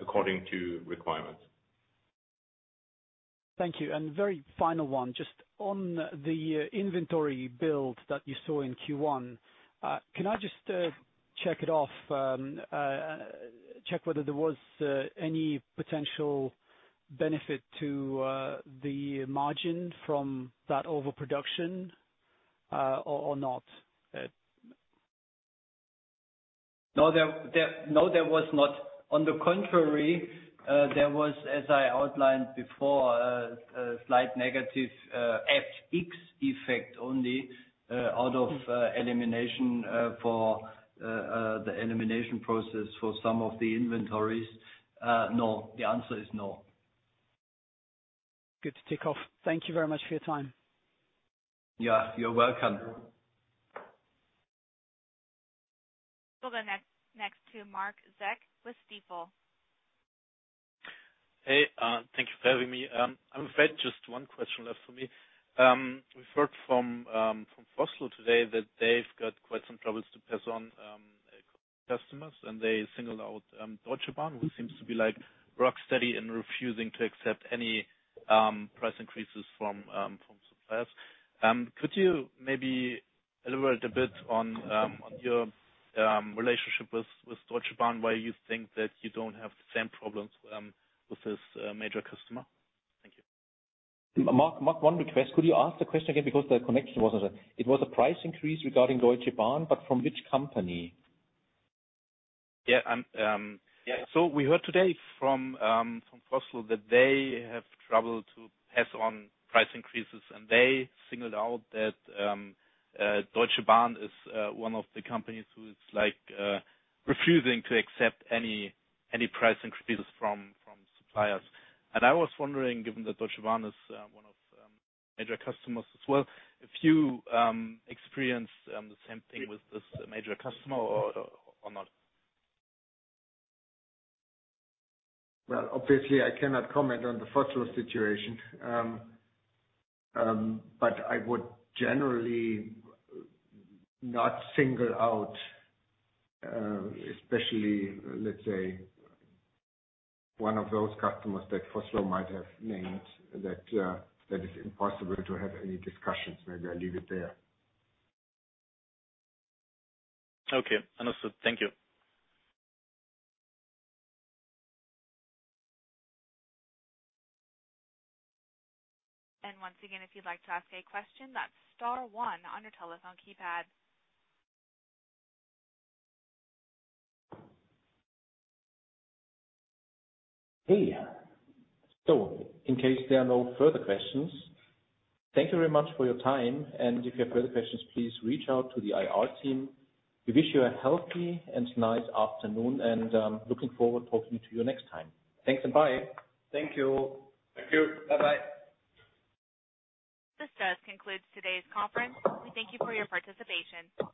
according to requirements. Thank you. Very final one, just on the inventory build that you saw in Q1, can I just check whether there was any potential benefit to the margin from that overproduction, or not? No, there was not. On the contrary, there was, as I outlined before, a slight negative FX effect only out of the elimination process for some of the inventories. No. The answer is no. Good to tick off. Thank you very much for your time. Yeah, you're welcome. We'll go next to Marc Zeck with Stifel. Hey, thank you for having me. I'm afraid just one question left for me. We've heard from Vossloh today that they've got quite some troubles to pass on to customers, and they singled out Deutsche Bahn, who seems to be, like, rock steady in refusing to accept any price increases from suppliers. Could you maybe elaborate a bit on your relationship with Deutsche Bahn, why you think that you don't have the same problems with this major customer? Thank you. Mark, one request. Could you ask the question again? Because the connection wasn't. It was a price increase regarding Deutsche Bahn, but from which company? Yeah. We heard today from Vossloh that they have trouble to pass on price increases, and they singled out that Deutsche Bahn is one of the companies who is like refusing to accept any price increases from suppliers. I was wondering, given that Deutsche Bahn is one of major customers as well, if you experience the same thing with this major customer or not? Well, obviously, I cannot comment on the Vossloh situation. I would generally not single out, especially, let's say, one of those customers that Vossloh might have named, that is impossible to have any discussions. Maybe I leave it there. Okay. Understood. Thank you. Once again, if you'd like to ask a question, that's star one on your telephone keypad. Hey. In case there are no further questions, thank you very much for your time. If you have further questions, please reach out to the IR team. We wish you a healthy and nice afternoon and looking forward talking to you next time. Thanks and bye. Thank you. Thank you. Bye bye. This just concludes today's conference. We thank you for your participation.